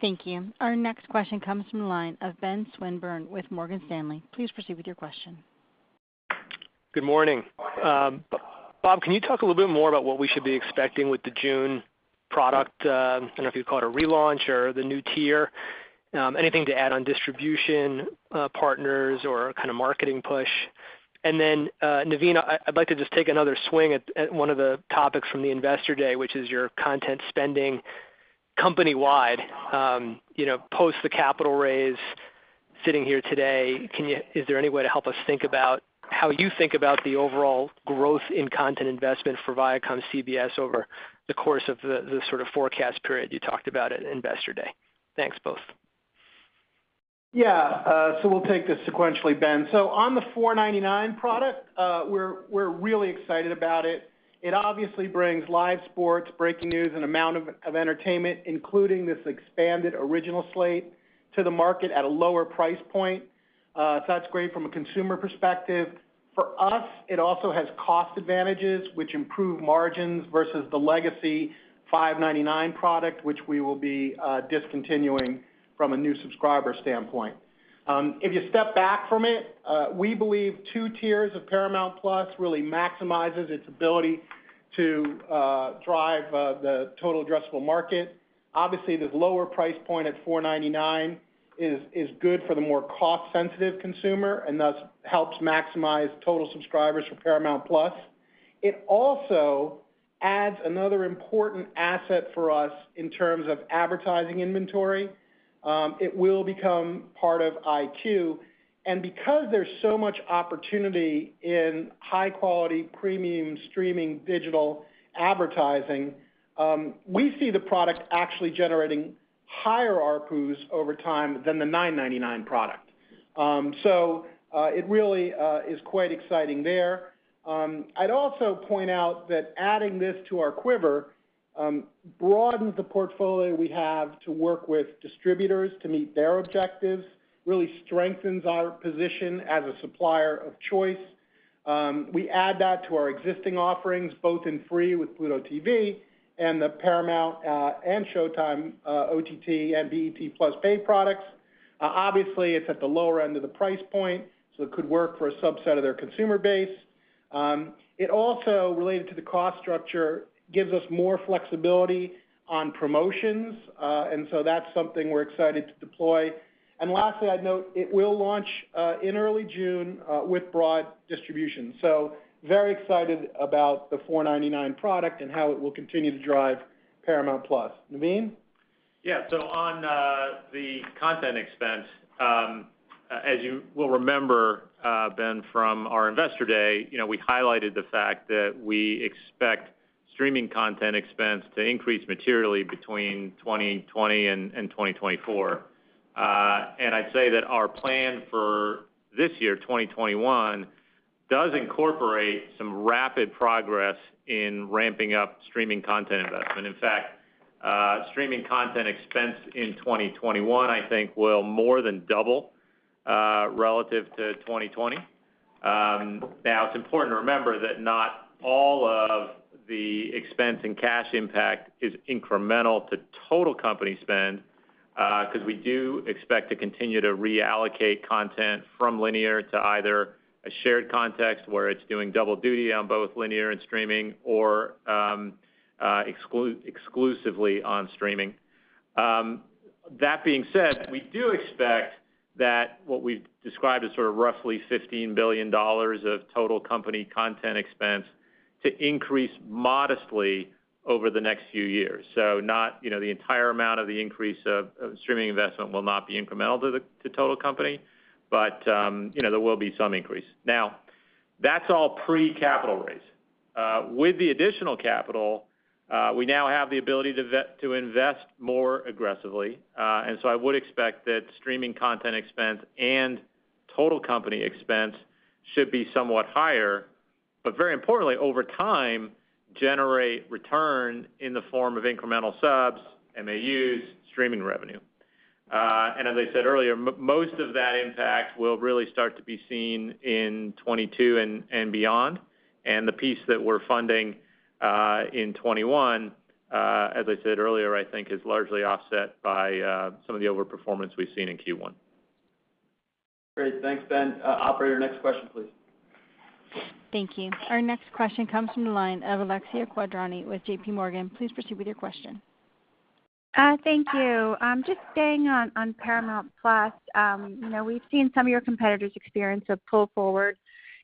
Thank you. Our next question comes from the line of Ben Swinburne with Morgan Stanley. Please proceed with your question. Good morning. Bob, can you talk a little bit more about what we should be expecting with the June product? I don't know if you'd call it a relaunch or the new tier. Anything to add on distribution, partners, or marketing push? Naveen, I'd like to just take another swing at one of the topics from the Investor Day, which is your content spending company-wide. Post the capital raise, sitting here today, is there any way to help us think about how you think about the overall growth in content investment for ViacomCBS over the course of the sort of forecast period you talked about at Investor Day? Thanks, both. Yeah. We'll take this sequentially, Ben. On the $4.99 product, we're really excited about it. It obviously brings live sports, breaking news, and an amount of entertainment, including this expanded original slate to the market at a lower price point. That's great from a consumer perspective. For us, it also has cost advantages, which improve margins versus the legacy $5.99 product, which we will be discontinuing from a new subscriber standpoint. If you step back from it, we believe two tiers of Paramount+ really maximizes its ability to drive the total addressable market. Obviously, this lower price point at $4.99 is good for the more cost-sensitive consumer, and thus helps maximize total subscribers for Paramount+. It also adds another important asset for us in terms of advertising inventory. It will become part of EyeQ, because there's so much opportunity in high-quality, premium streaming digital advertising, we see the product actually generating higher ARPUs over time than the $9.99 product. It really is quite exciting there. I'd also point out that adding this to our quiver broadens the portfolio we have to work with distributors to meet their objectives. Really strengthens our position as a supplier of choice. We add that to our existing offerings, both in free with Pluto TV and the Paramount and Showtime OTT and BET+ pay products. Obviously, it's at the lower end of the price point, it could work for a subset of their consumer base. It also, related to the cost structure, gives us more flexibility on promotions. That's something we're excited to deploy. Lastly, I'd note it will launch in early June with broad distribution. Very excited about the $4.99 product and how it will continue to drive Paramount+. Naveen? Yeah. On the content expense, as you will remember, Ben, from our Investor Day, we highlighted the fact that we expect streaming content expense to increase materially between 2020 and 2024. I'd say that our plan for this year, 2021, does incorporate some rapid progress in ramping up streaming content investment. In fact, streaming content expense in 2021, I think will more than double relative to 2020. It's important to remember that not all of the expense and cash impact is incremental to total company spend, because we do expect to continue to reallocate content from linear to either a shared context, where it's doing double duty on both linear and streaming or exclusively on streaming. That being said, we do expect that what we've described as sort of roughly $15 billion of total company content expense to increase modestly over the next few years. The entire amount of the increase of streaming investment will not be incremental to the total company. There will be some increase. That's all pre-capital raise. With the additional capital, we now have the ability to invest more aggressively. I would expect that streaming content expense and total company expense should be somewhat higher, but very importantly, over time, generate return in the form of incremental subs, MAUs, streaming revenue. As I said earlier, most of that impact will really start to be seen in 2022 and beyond. The piece that we're funding in 2021, as I said earlier, I think is largely offset by some of the over-performance we've seen in Q1. Great. Thanks, Ben. Operator, next question, please. Thank you. Our next question comes from the line of Alexia Quadrani with JPMorgan. Please proceed with your question. Thank you. Just staying on Paramount+. We've seen some of your competitors experience a pull forward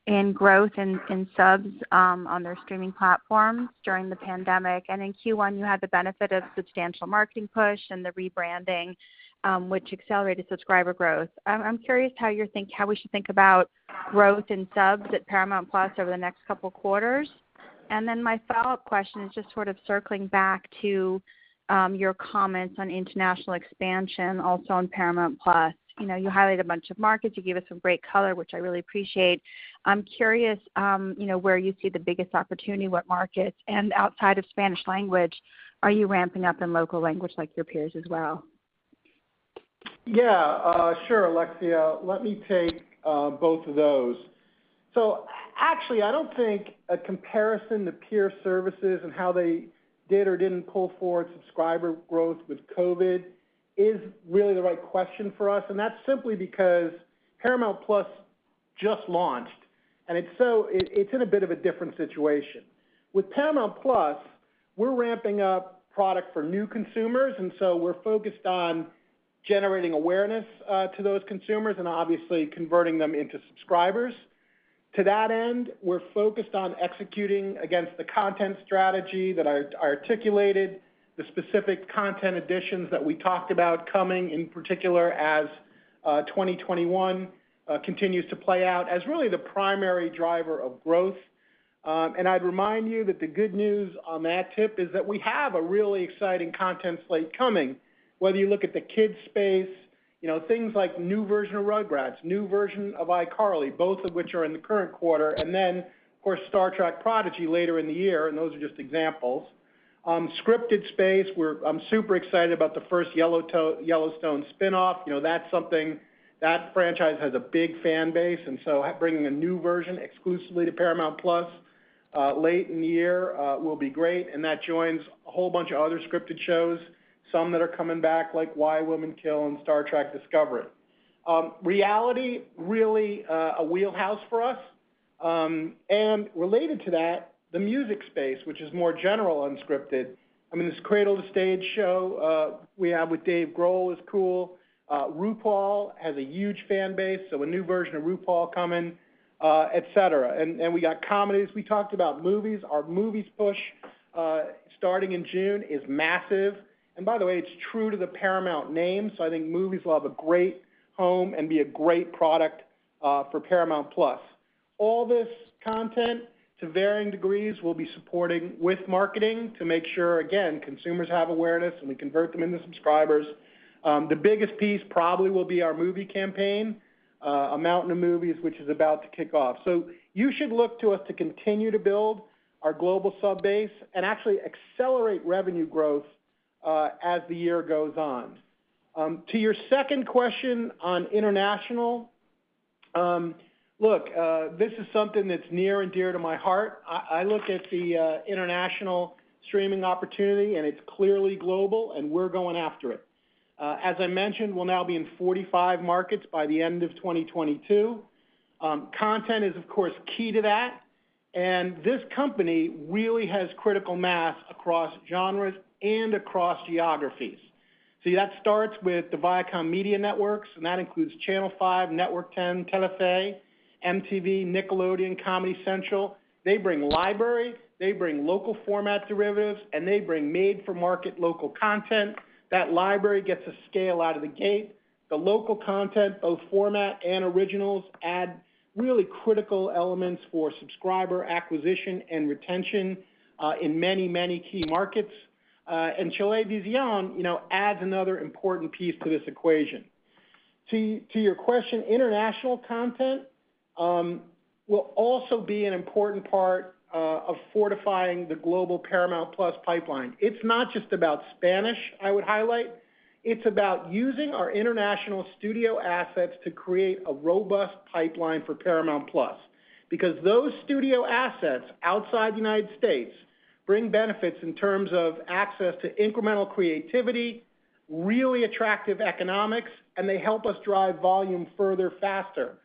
in growth in subs on their streaming platforms during the pandemic. In Q1, you had the benefit of substantial marketing push and the rebranding, which accelerated subscriber growth. I'm curious how we should think about growth in subs at Paramount+ over the next couple quarters. My follow-up question is just sort of circling back to your comments on international expansion, also on Paramount+. You highlighted a bunch of markets. You gave us some great color, which I really appreciate. I'm curious where you see the biggest opportunity, what markets, and outside of Spanish language, are you ramping up in local language like your peers as well? Yeah. Sure, Alexia, let me take both of those. Actually, I don't think a comparison to peer services and how they did or didn't pull forward subscriber growth with COVID is really the right question for us. That's simply because Paramount+ just launched, and it's in a bit of a different situation. With Paramount+, we're ramping up product for new consumers, and so we're focused on generating awareness to those consumers and obviously converting them into subscribers. To that end, we're focused on executing against the content strategy that I articulated, the specific content additions that we talked about coming, in particular as 2021 continues to play out as really the primary driver of growth. I'd remind you that the good news on that tip is that we have a really exciting content slate coming, whether you look at the kids space, things like new version of Rugrats, new version of iCarly, both of which are in the current quarter, then, of course, Star Trek: Prodigy later in the year, and those are just examples. Scripted space, I'm super excited about the first Yellowstone spinoff. That franchise has a big fan base, bringing a new version exclusively to Paramount+ late in the year will be great, and that joins a whole bunch of other scripted shows, some that are coming back, like Why Women Kill and Star Trek: Discovery. Reality, really a wheelhouse for us. Related to that, the music space, which is more general unscripted. I mean, this Cradle to Stage show we have with Dave Grohl is cool. RuPaul has a huge fan base, so a new version of RuPaul coming, et cetera. We got comedies. We talked about movies. Our movies push starting in June is massive. By the way, it's true to the Paramount name, so I think movies will have a great home and be a great product for Paramount+. All this content, to varying degrees, we'll be supporting with marketing to make sure, again, consumers have awareness, and we convert them into subscribers. The biggest piece probably will be our movie campaign, A Mountain of Movies, which is about to kick off. You should look to us to continue to build our global sub-base and actually accelerate revenue growth as the year goes on. To your second question on international, look, this is something that's near and dear to my heart. I look at the international streaming opportunity, it's clearly global, and we're going after it. As I mentioned, we'll now be in 45 markets by the end of 2022. Content is, of course, key to that, this company really has critical mass across genres and across geographies. See, that starts with the Viacom media networks, that includes Channel 5, Network 10, Telefe, MTV, Nickelodeon, Comedy Central. They bring library, they bring local format derivatives, they bring made-for-market local content. That library gets a scale out of the gate. The local content, both format and originals, add really critical elements for subscriber acquisition and retention in many, many key markets. Chilevisión adds another important piece to this equation. To your question, international content will also be an important part of fortifying the global Paramount+ pipeline. It's not just about Spanish, I would highlight. It's about using our international studio assets to create a robust pipeline for Paramount+ because those studio assets outside the United States bring benefits in terms of access to incremental creativity, really attractive economics, and they help us drive volume further, faster.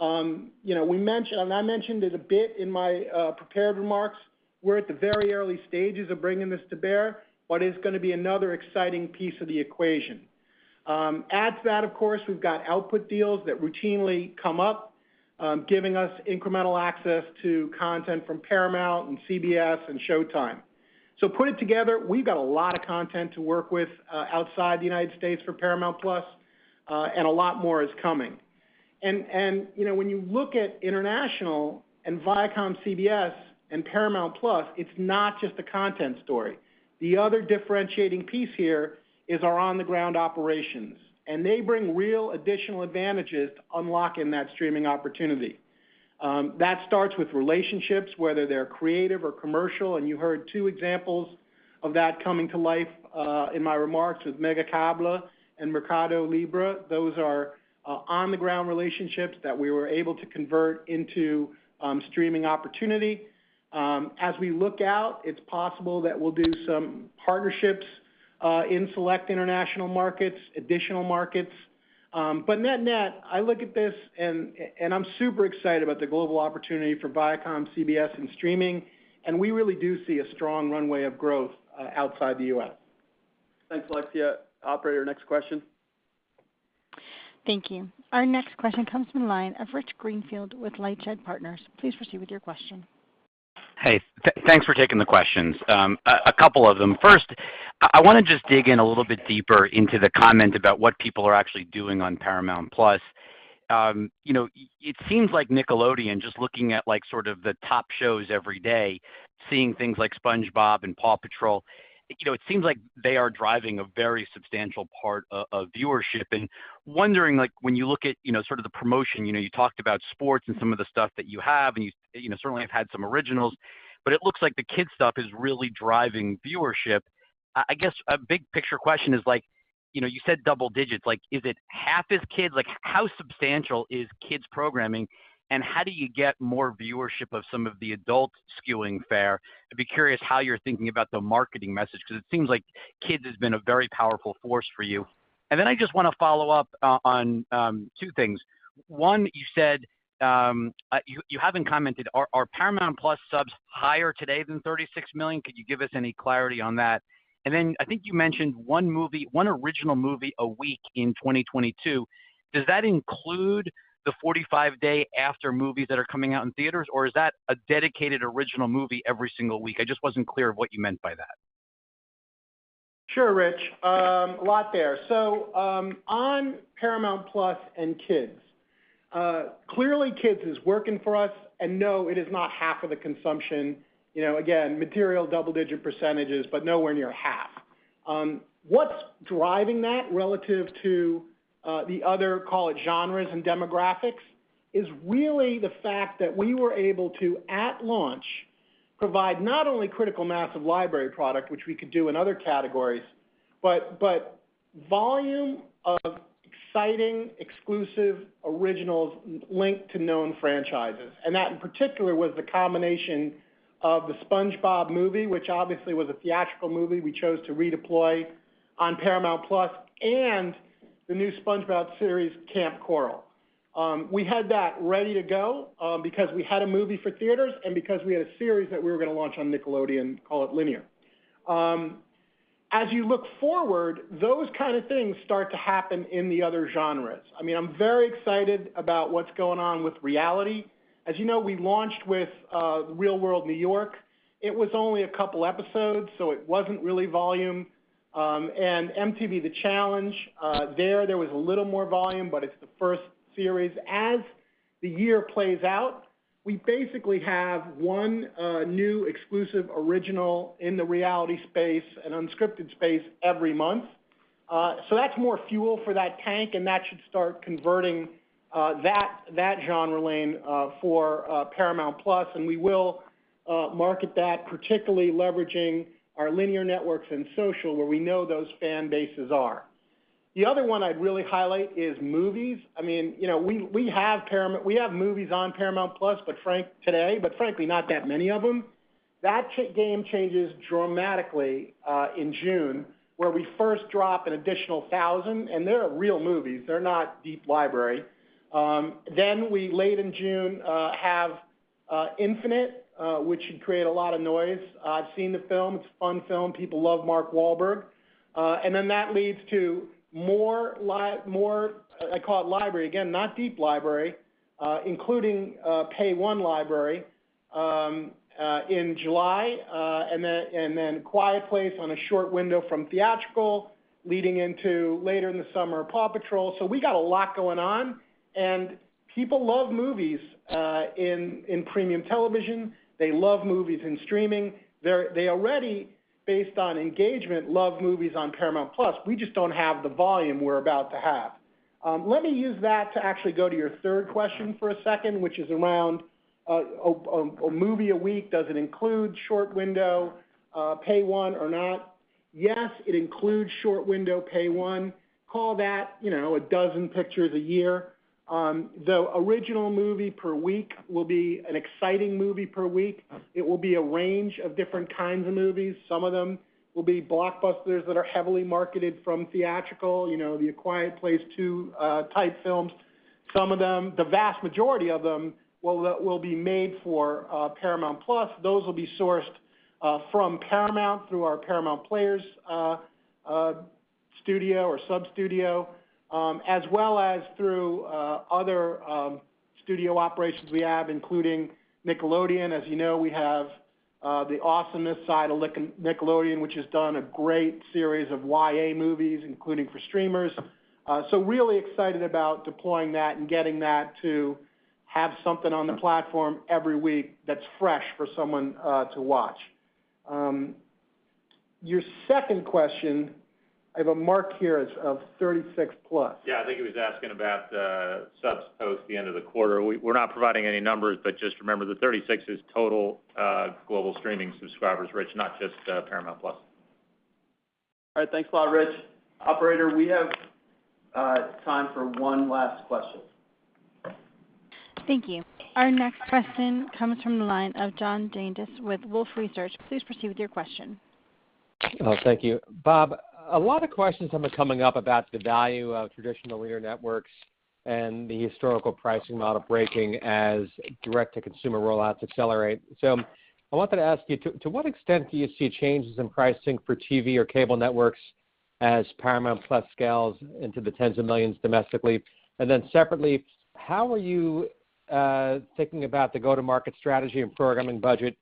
I mentioned it a bit in my prepared remarks. We're at the very early stages of bringing this to bear, but it's going to be another exciting piece of the equation. Add to that, of course, we've got output deals that routinely come up giving us incremental access to content from Paramount and CBS and Showtime. Put it together, we've got a lot of content to work with outside United States for Paramount+, and a lot more is coming. When you look at international and ViacomCBS and Paramount+, it's not just a content story. The other differentiating piece here is our on-the-ground operations, and they bring real additional advantages to unlocking that streaming opportunity. That starts with relationships, whether they're creative or commercial, and you heard two examples of that coming to life in my remarks with Megacable and Mercado Libre. Those are on-the-ground relationships that we were able to convert into streaming opportunity. As we look out, it's possible that we'll do some partnerships in select international markets, additional markets. Net net, I look at this and I'm super excited about the global opportunity for ViacomCBS and streaming, and we really do see a strong runway of growth outside the U.S.. Thanks, Alexia. Operator, next question. Thank you. Our next question comes from the line of Rich Greenfield with LightShed Partners. Please proceed with your question. Hey. Thanks for taking the questions. A couple of them. First, I want to just dig in a little bit deeper into the comment about what people are actually doing on Paramount+. It seems like Nickelodeon, just looking at the top shows every day, seeing things like SpongeBob and PAW Patrol, it seems like they are driving a very substantial part of viewership. Wondering, when you look at the promotion, you talked about sports and some of the stuff that you have, and you certainly have had some originals, but it looks like the kids stuff is really driving viewership. I guess a big picture question is, you said double digits. Is it half is kids? How substantial is kids programming, and how do you get more viewership of some of the adult-skewing fare? I'd be curious how you're thinking about the marketing message, because it seems like kids has been a very powerful force for you. I just want to follow up on two things. One, you haven't commented, are Paramount+ subs higher today than 36 million? Could you give us any clarity on that? I think you mentioned one original movie a week in 2022. Does that include the 45-day after movies that are coming out in theaters, or is that a dedicated original movie every single week? I just wasn't clear of what you meant by that. Sure, Rich. A lot there. On Paramount+ and kids. Clearly, kids is working for us, and no, it is not half of the consumption. Again, material double-digit percentage, but nowhere near half. What's driving that relative to the other, call it genres and demographics, is really the fact that we were able to, at launch, provide not only critical mass of library product, which we could do in other categories, but volume of exciting, exclusive originals linked to known franchises. That in particular was the combination of the SpongeBob Movie, which obviously was a theatrical movie we chose to redeploy on Paramount+, and the new SpongeBob series, Kamp Koral. We had that ready to go because we had a movie for theaters and because we had a series that we were going to launch on Nickelodeon, call it linear. You look forward, those kind of things start to happen in the other genres. I'm very excited about what's going on with reality. You know, we launched with The Real World: New York. It was only a couple episodes, it wasn't really volume. MTV: The Challenge, there was a little more volume, it's the first series. The year plays out, we basically have one new exclusive original in the reality space and unscripted space every month. That's more fuel for that tank, that should start converting that genre lane for Paramount+, we will market that, particularly leveraging our linear networks and social, where we know those fan bases are. The other one I'd really highlight is movies. We have movies on Paramount+ today, frankly, not that many of them. That game changes dramatically in June, where we first drop an additional thousand, and they're real movies. They're not deep library. We, late in June, have Infinite, which should create a lot of noise. I've seen the film. It's a fun film. People love Mark Wahlberg. That leads to more, I call it library, again, not deep library, including pay one library, in July. A Quiet Place on a short window from theatrical, leading into later in the summer, PAW Patrol. We got a lot going on, and people love movies in premium television. They love movies in streaming. They already, based on engagement, love movies on Paramount+. We just don't have the volume we're about to have. Let me use that to actually go to your third question for a second, which is around a movie a week. Does it include short window, pay one or not? Yes, it includes short window pay one. Call that a dozen pictures a year. The original movie per week will be an exciting movie per week. It will be a range of different kinds of movies. Some of them will be blockbusters that are heavily marketed from theatrical, A Quiet Place 2 type films. The vast majority of them will be made for Paramount+. Those will be sourced from Paramount through our Paramount Players studio or sub studio, as well as through other studio operations we have, including Nickelodeon. As you know, we have the Awesomeness side of Nickelodeon, which has done a great series of YA movies, including for streamers. Really excited about deploying that and getting that to have something on the platform every week that's fresh for someone to watch. Your second question, I have a mark here of 36+. Yeah, I think he was asking about subs post the end of the quarter. We're not providing any numbers, but just remember the 36 is total global streaming subscribers, Rich, not just Paramount+. All right. Thanks a lot, Rich. Operator, we have time for one last question. Thank you. Our next question comes from the line of John Janedis with Wolfe Research. Please proceed with your question. Oh, thank you. Bob, a lot of questions have been coming up about the value of traditional linear networks and the historical pricing model breaking as direct-to-consumer rollouts accelerate. I wanted to ask you, to what extent do you see changes in pricing for TV or cable networks? Paramount+ scales into the tens of millions domestically. Separately, how are you thinking about the go-to-market strategy and programming budget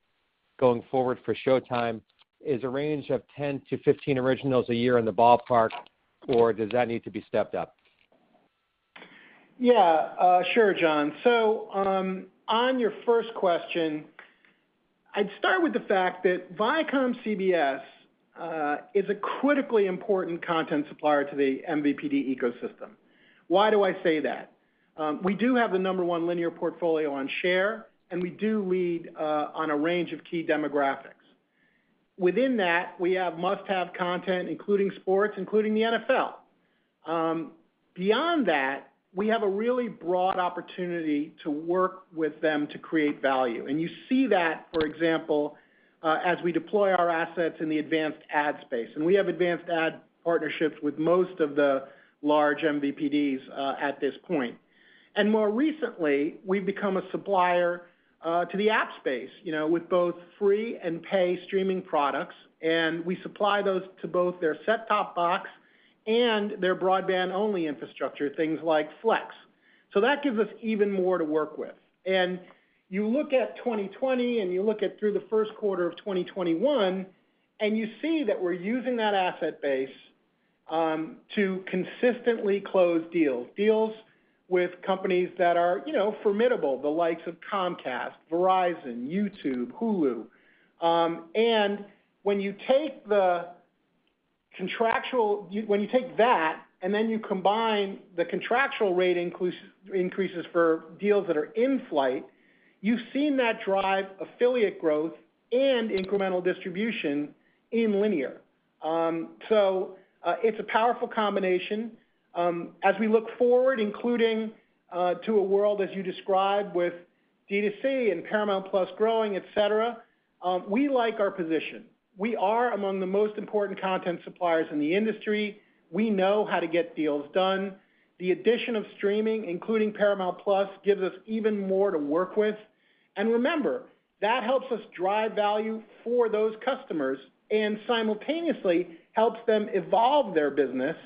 going forward for Showtime? Is a range of 10-15 originals a year in the ballpark, or does that need to be stepped up? Yeah. Sure, John. On your first question, I'd start with the fact that ViacomCBS is a critically important content supplier to the MVPD ecosystem. Why do I say that? We do have the number one linear portfolio on share, and we do lead on a range of key demographics. Within that, we have must-have content, including sports, including the NFL. Beyond that, we have a really broad opportunity to work with them to create value. You see that, for example, as we deploy our assets in the advanced ad space. We have advanced ad partnerships with most of the large MVPDs at this point. More recently, we've become a supplier to the app space with both free and paid streaming products, and we supply those to both their set-top box and their broadband-only infrastructure, things like Flex. That gives us even more to work with. You look at 2020, and you look at through the first quarter of 2021, and you see that we're using that asset base to consistently close deals with companies that are formidable, the likes of Comcast, Verizon, YouTube, Hulu. When you take that and then you combine the contractual rate increases for deals that are in flight, you've seen that drive affiliate growth and incremental distribution in linear. It's a powerful combination. As we look forward, including to a world as you describe with D2C and Paramount+ growing, et cetera, we like our position. We are among the most important content suppliers in the industry. We know how to get deals done. The addition of streaming, including Paramount+, gives us even more to work with. Remember, that helps us drive value for those customers and simultaneously helps them evolve their business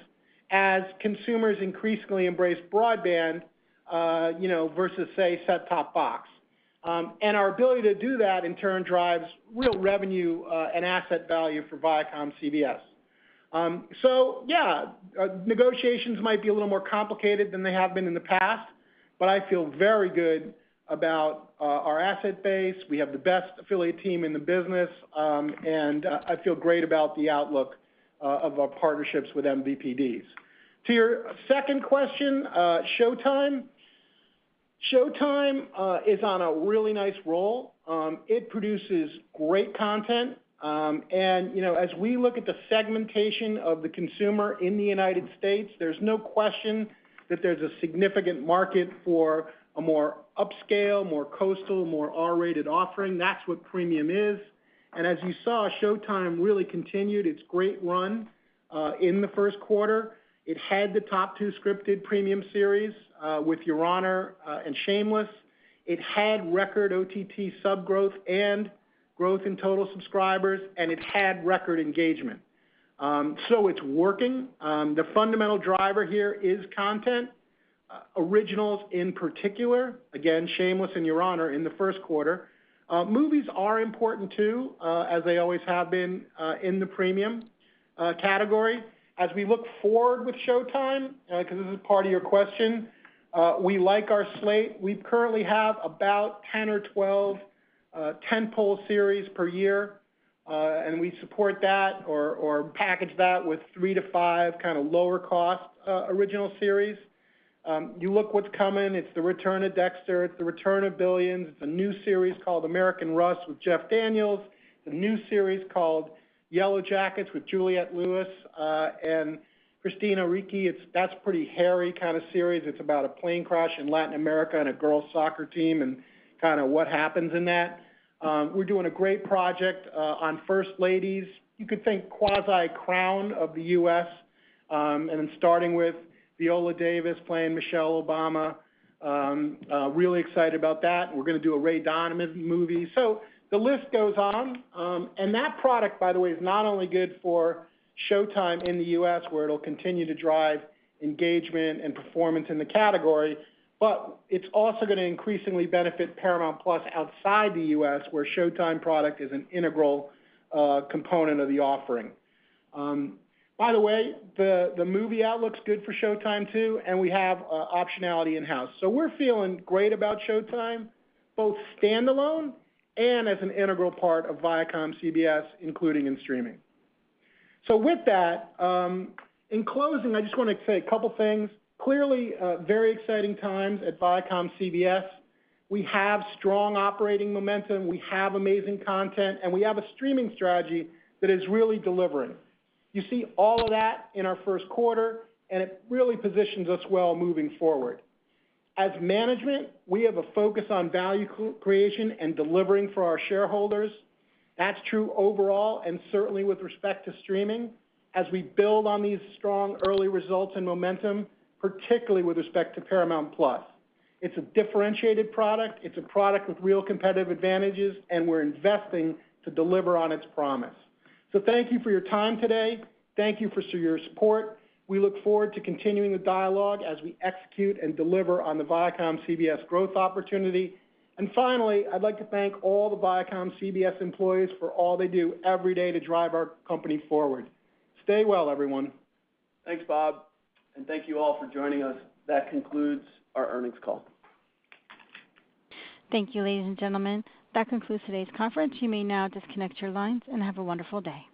as consumers increasingly embrace broadband versus, say, set-top box. Our ability to do that, in turn, drives real revenue and asset value for ViacomCBS. Yeah, negotiations might be a little more complicated than they have been in the past, but I feel very good about our asset base. We have the best affiliate team in the business, and I feel great about the outlook of our partnerships with MVPDs. To your second question, Showtime. Showtime is on a really nice roll. It produces great content. As we look at the segmentation of the consumer in the United States, there's no question that there's a significant market for a more upscale, more coastal, more R-rated offering. That's what premium is. As you saw, Showtime really continued its great run in the first quarter. It had the top two scripted premium series, with Your Honor and Shameless. It had record OTT sub growth and growth in total subscribers, and it had record engagement. It's working. The fundamental driver here is content, originals in particular, again, Shameless and Your Honor in the first quarter. Movies are important too, as they always have been in the premium category. As we look forward with Showtime, because this is part of your question, we like our slate. We currently have about 10 or 12 tentpole series per year. We support that or package that with three to five lower cost original series. You look what's coming, it's the return of Dexter. It's the return of Billions. It's a new series called American Rust with Jeff Daniels. It's a new series called Yellowjackets with Juliette Lewis and Christina Ricci. It's that's pretty hairy kind of series. It's about a plane crash in Latin America and a girls' soccer team and what happens in that. We're doing a great project on first ladies. It's starting with Viola Davis playing Michelle Obama. Really excited about that. We're going to do a Ray Donovan movie. The list goes on. That product, by the way, is not only good for Showtime in the U.S., where it'll continue to drive engagement and performance in the category, but it's also going to increasingly benefit Paramount+ outside the U.S., where Showtime product is an integral component of the offering. By the way, the movie outlook's good for Showtime too, and we have optionality in-house. We're feeling great about Showtime, both standalone and as an integral part of ViacomCBS, including in streaming. With that, in closing, I just want to say a couple of things. Clearly, very exciting times at ViacomCBS. We have strong operating momentum. We have amazing content, and we have a streaming strategy that is really delivering. You see all of that in our first quarter, and it really positions us well moving forward. As management, we have a focus on value creation and delivering for our shareholders. That's true overall, and certainly with respect to streaming as we build on these strong early results and momentum, particularly with respect to Paramount+. It's a differentiated product. It's a product with real competitive advantages, and we're investing to deliver on its promise. Thank you for your time today. Thank you for your support. We look forward to continuing the dialogue as we execute and deliver on the ViacomCBS growth opportunity. Finally, I'd like to thank all the ViacomCBS employees for all they do every day to drive our company forward. Stay well, everyone. Thanks, Bob, and thank you all for joining us. That concludes our earnings call. Thank you, ladies and gentlemen. That concludes today's conference. You may now disconnect your lines and have a wonderful day.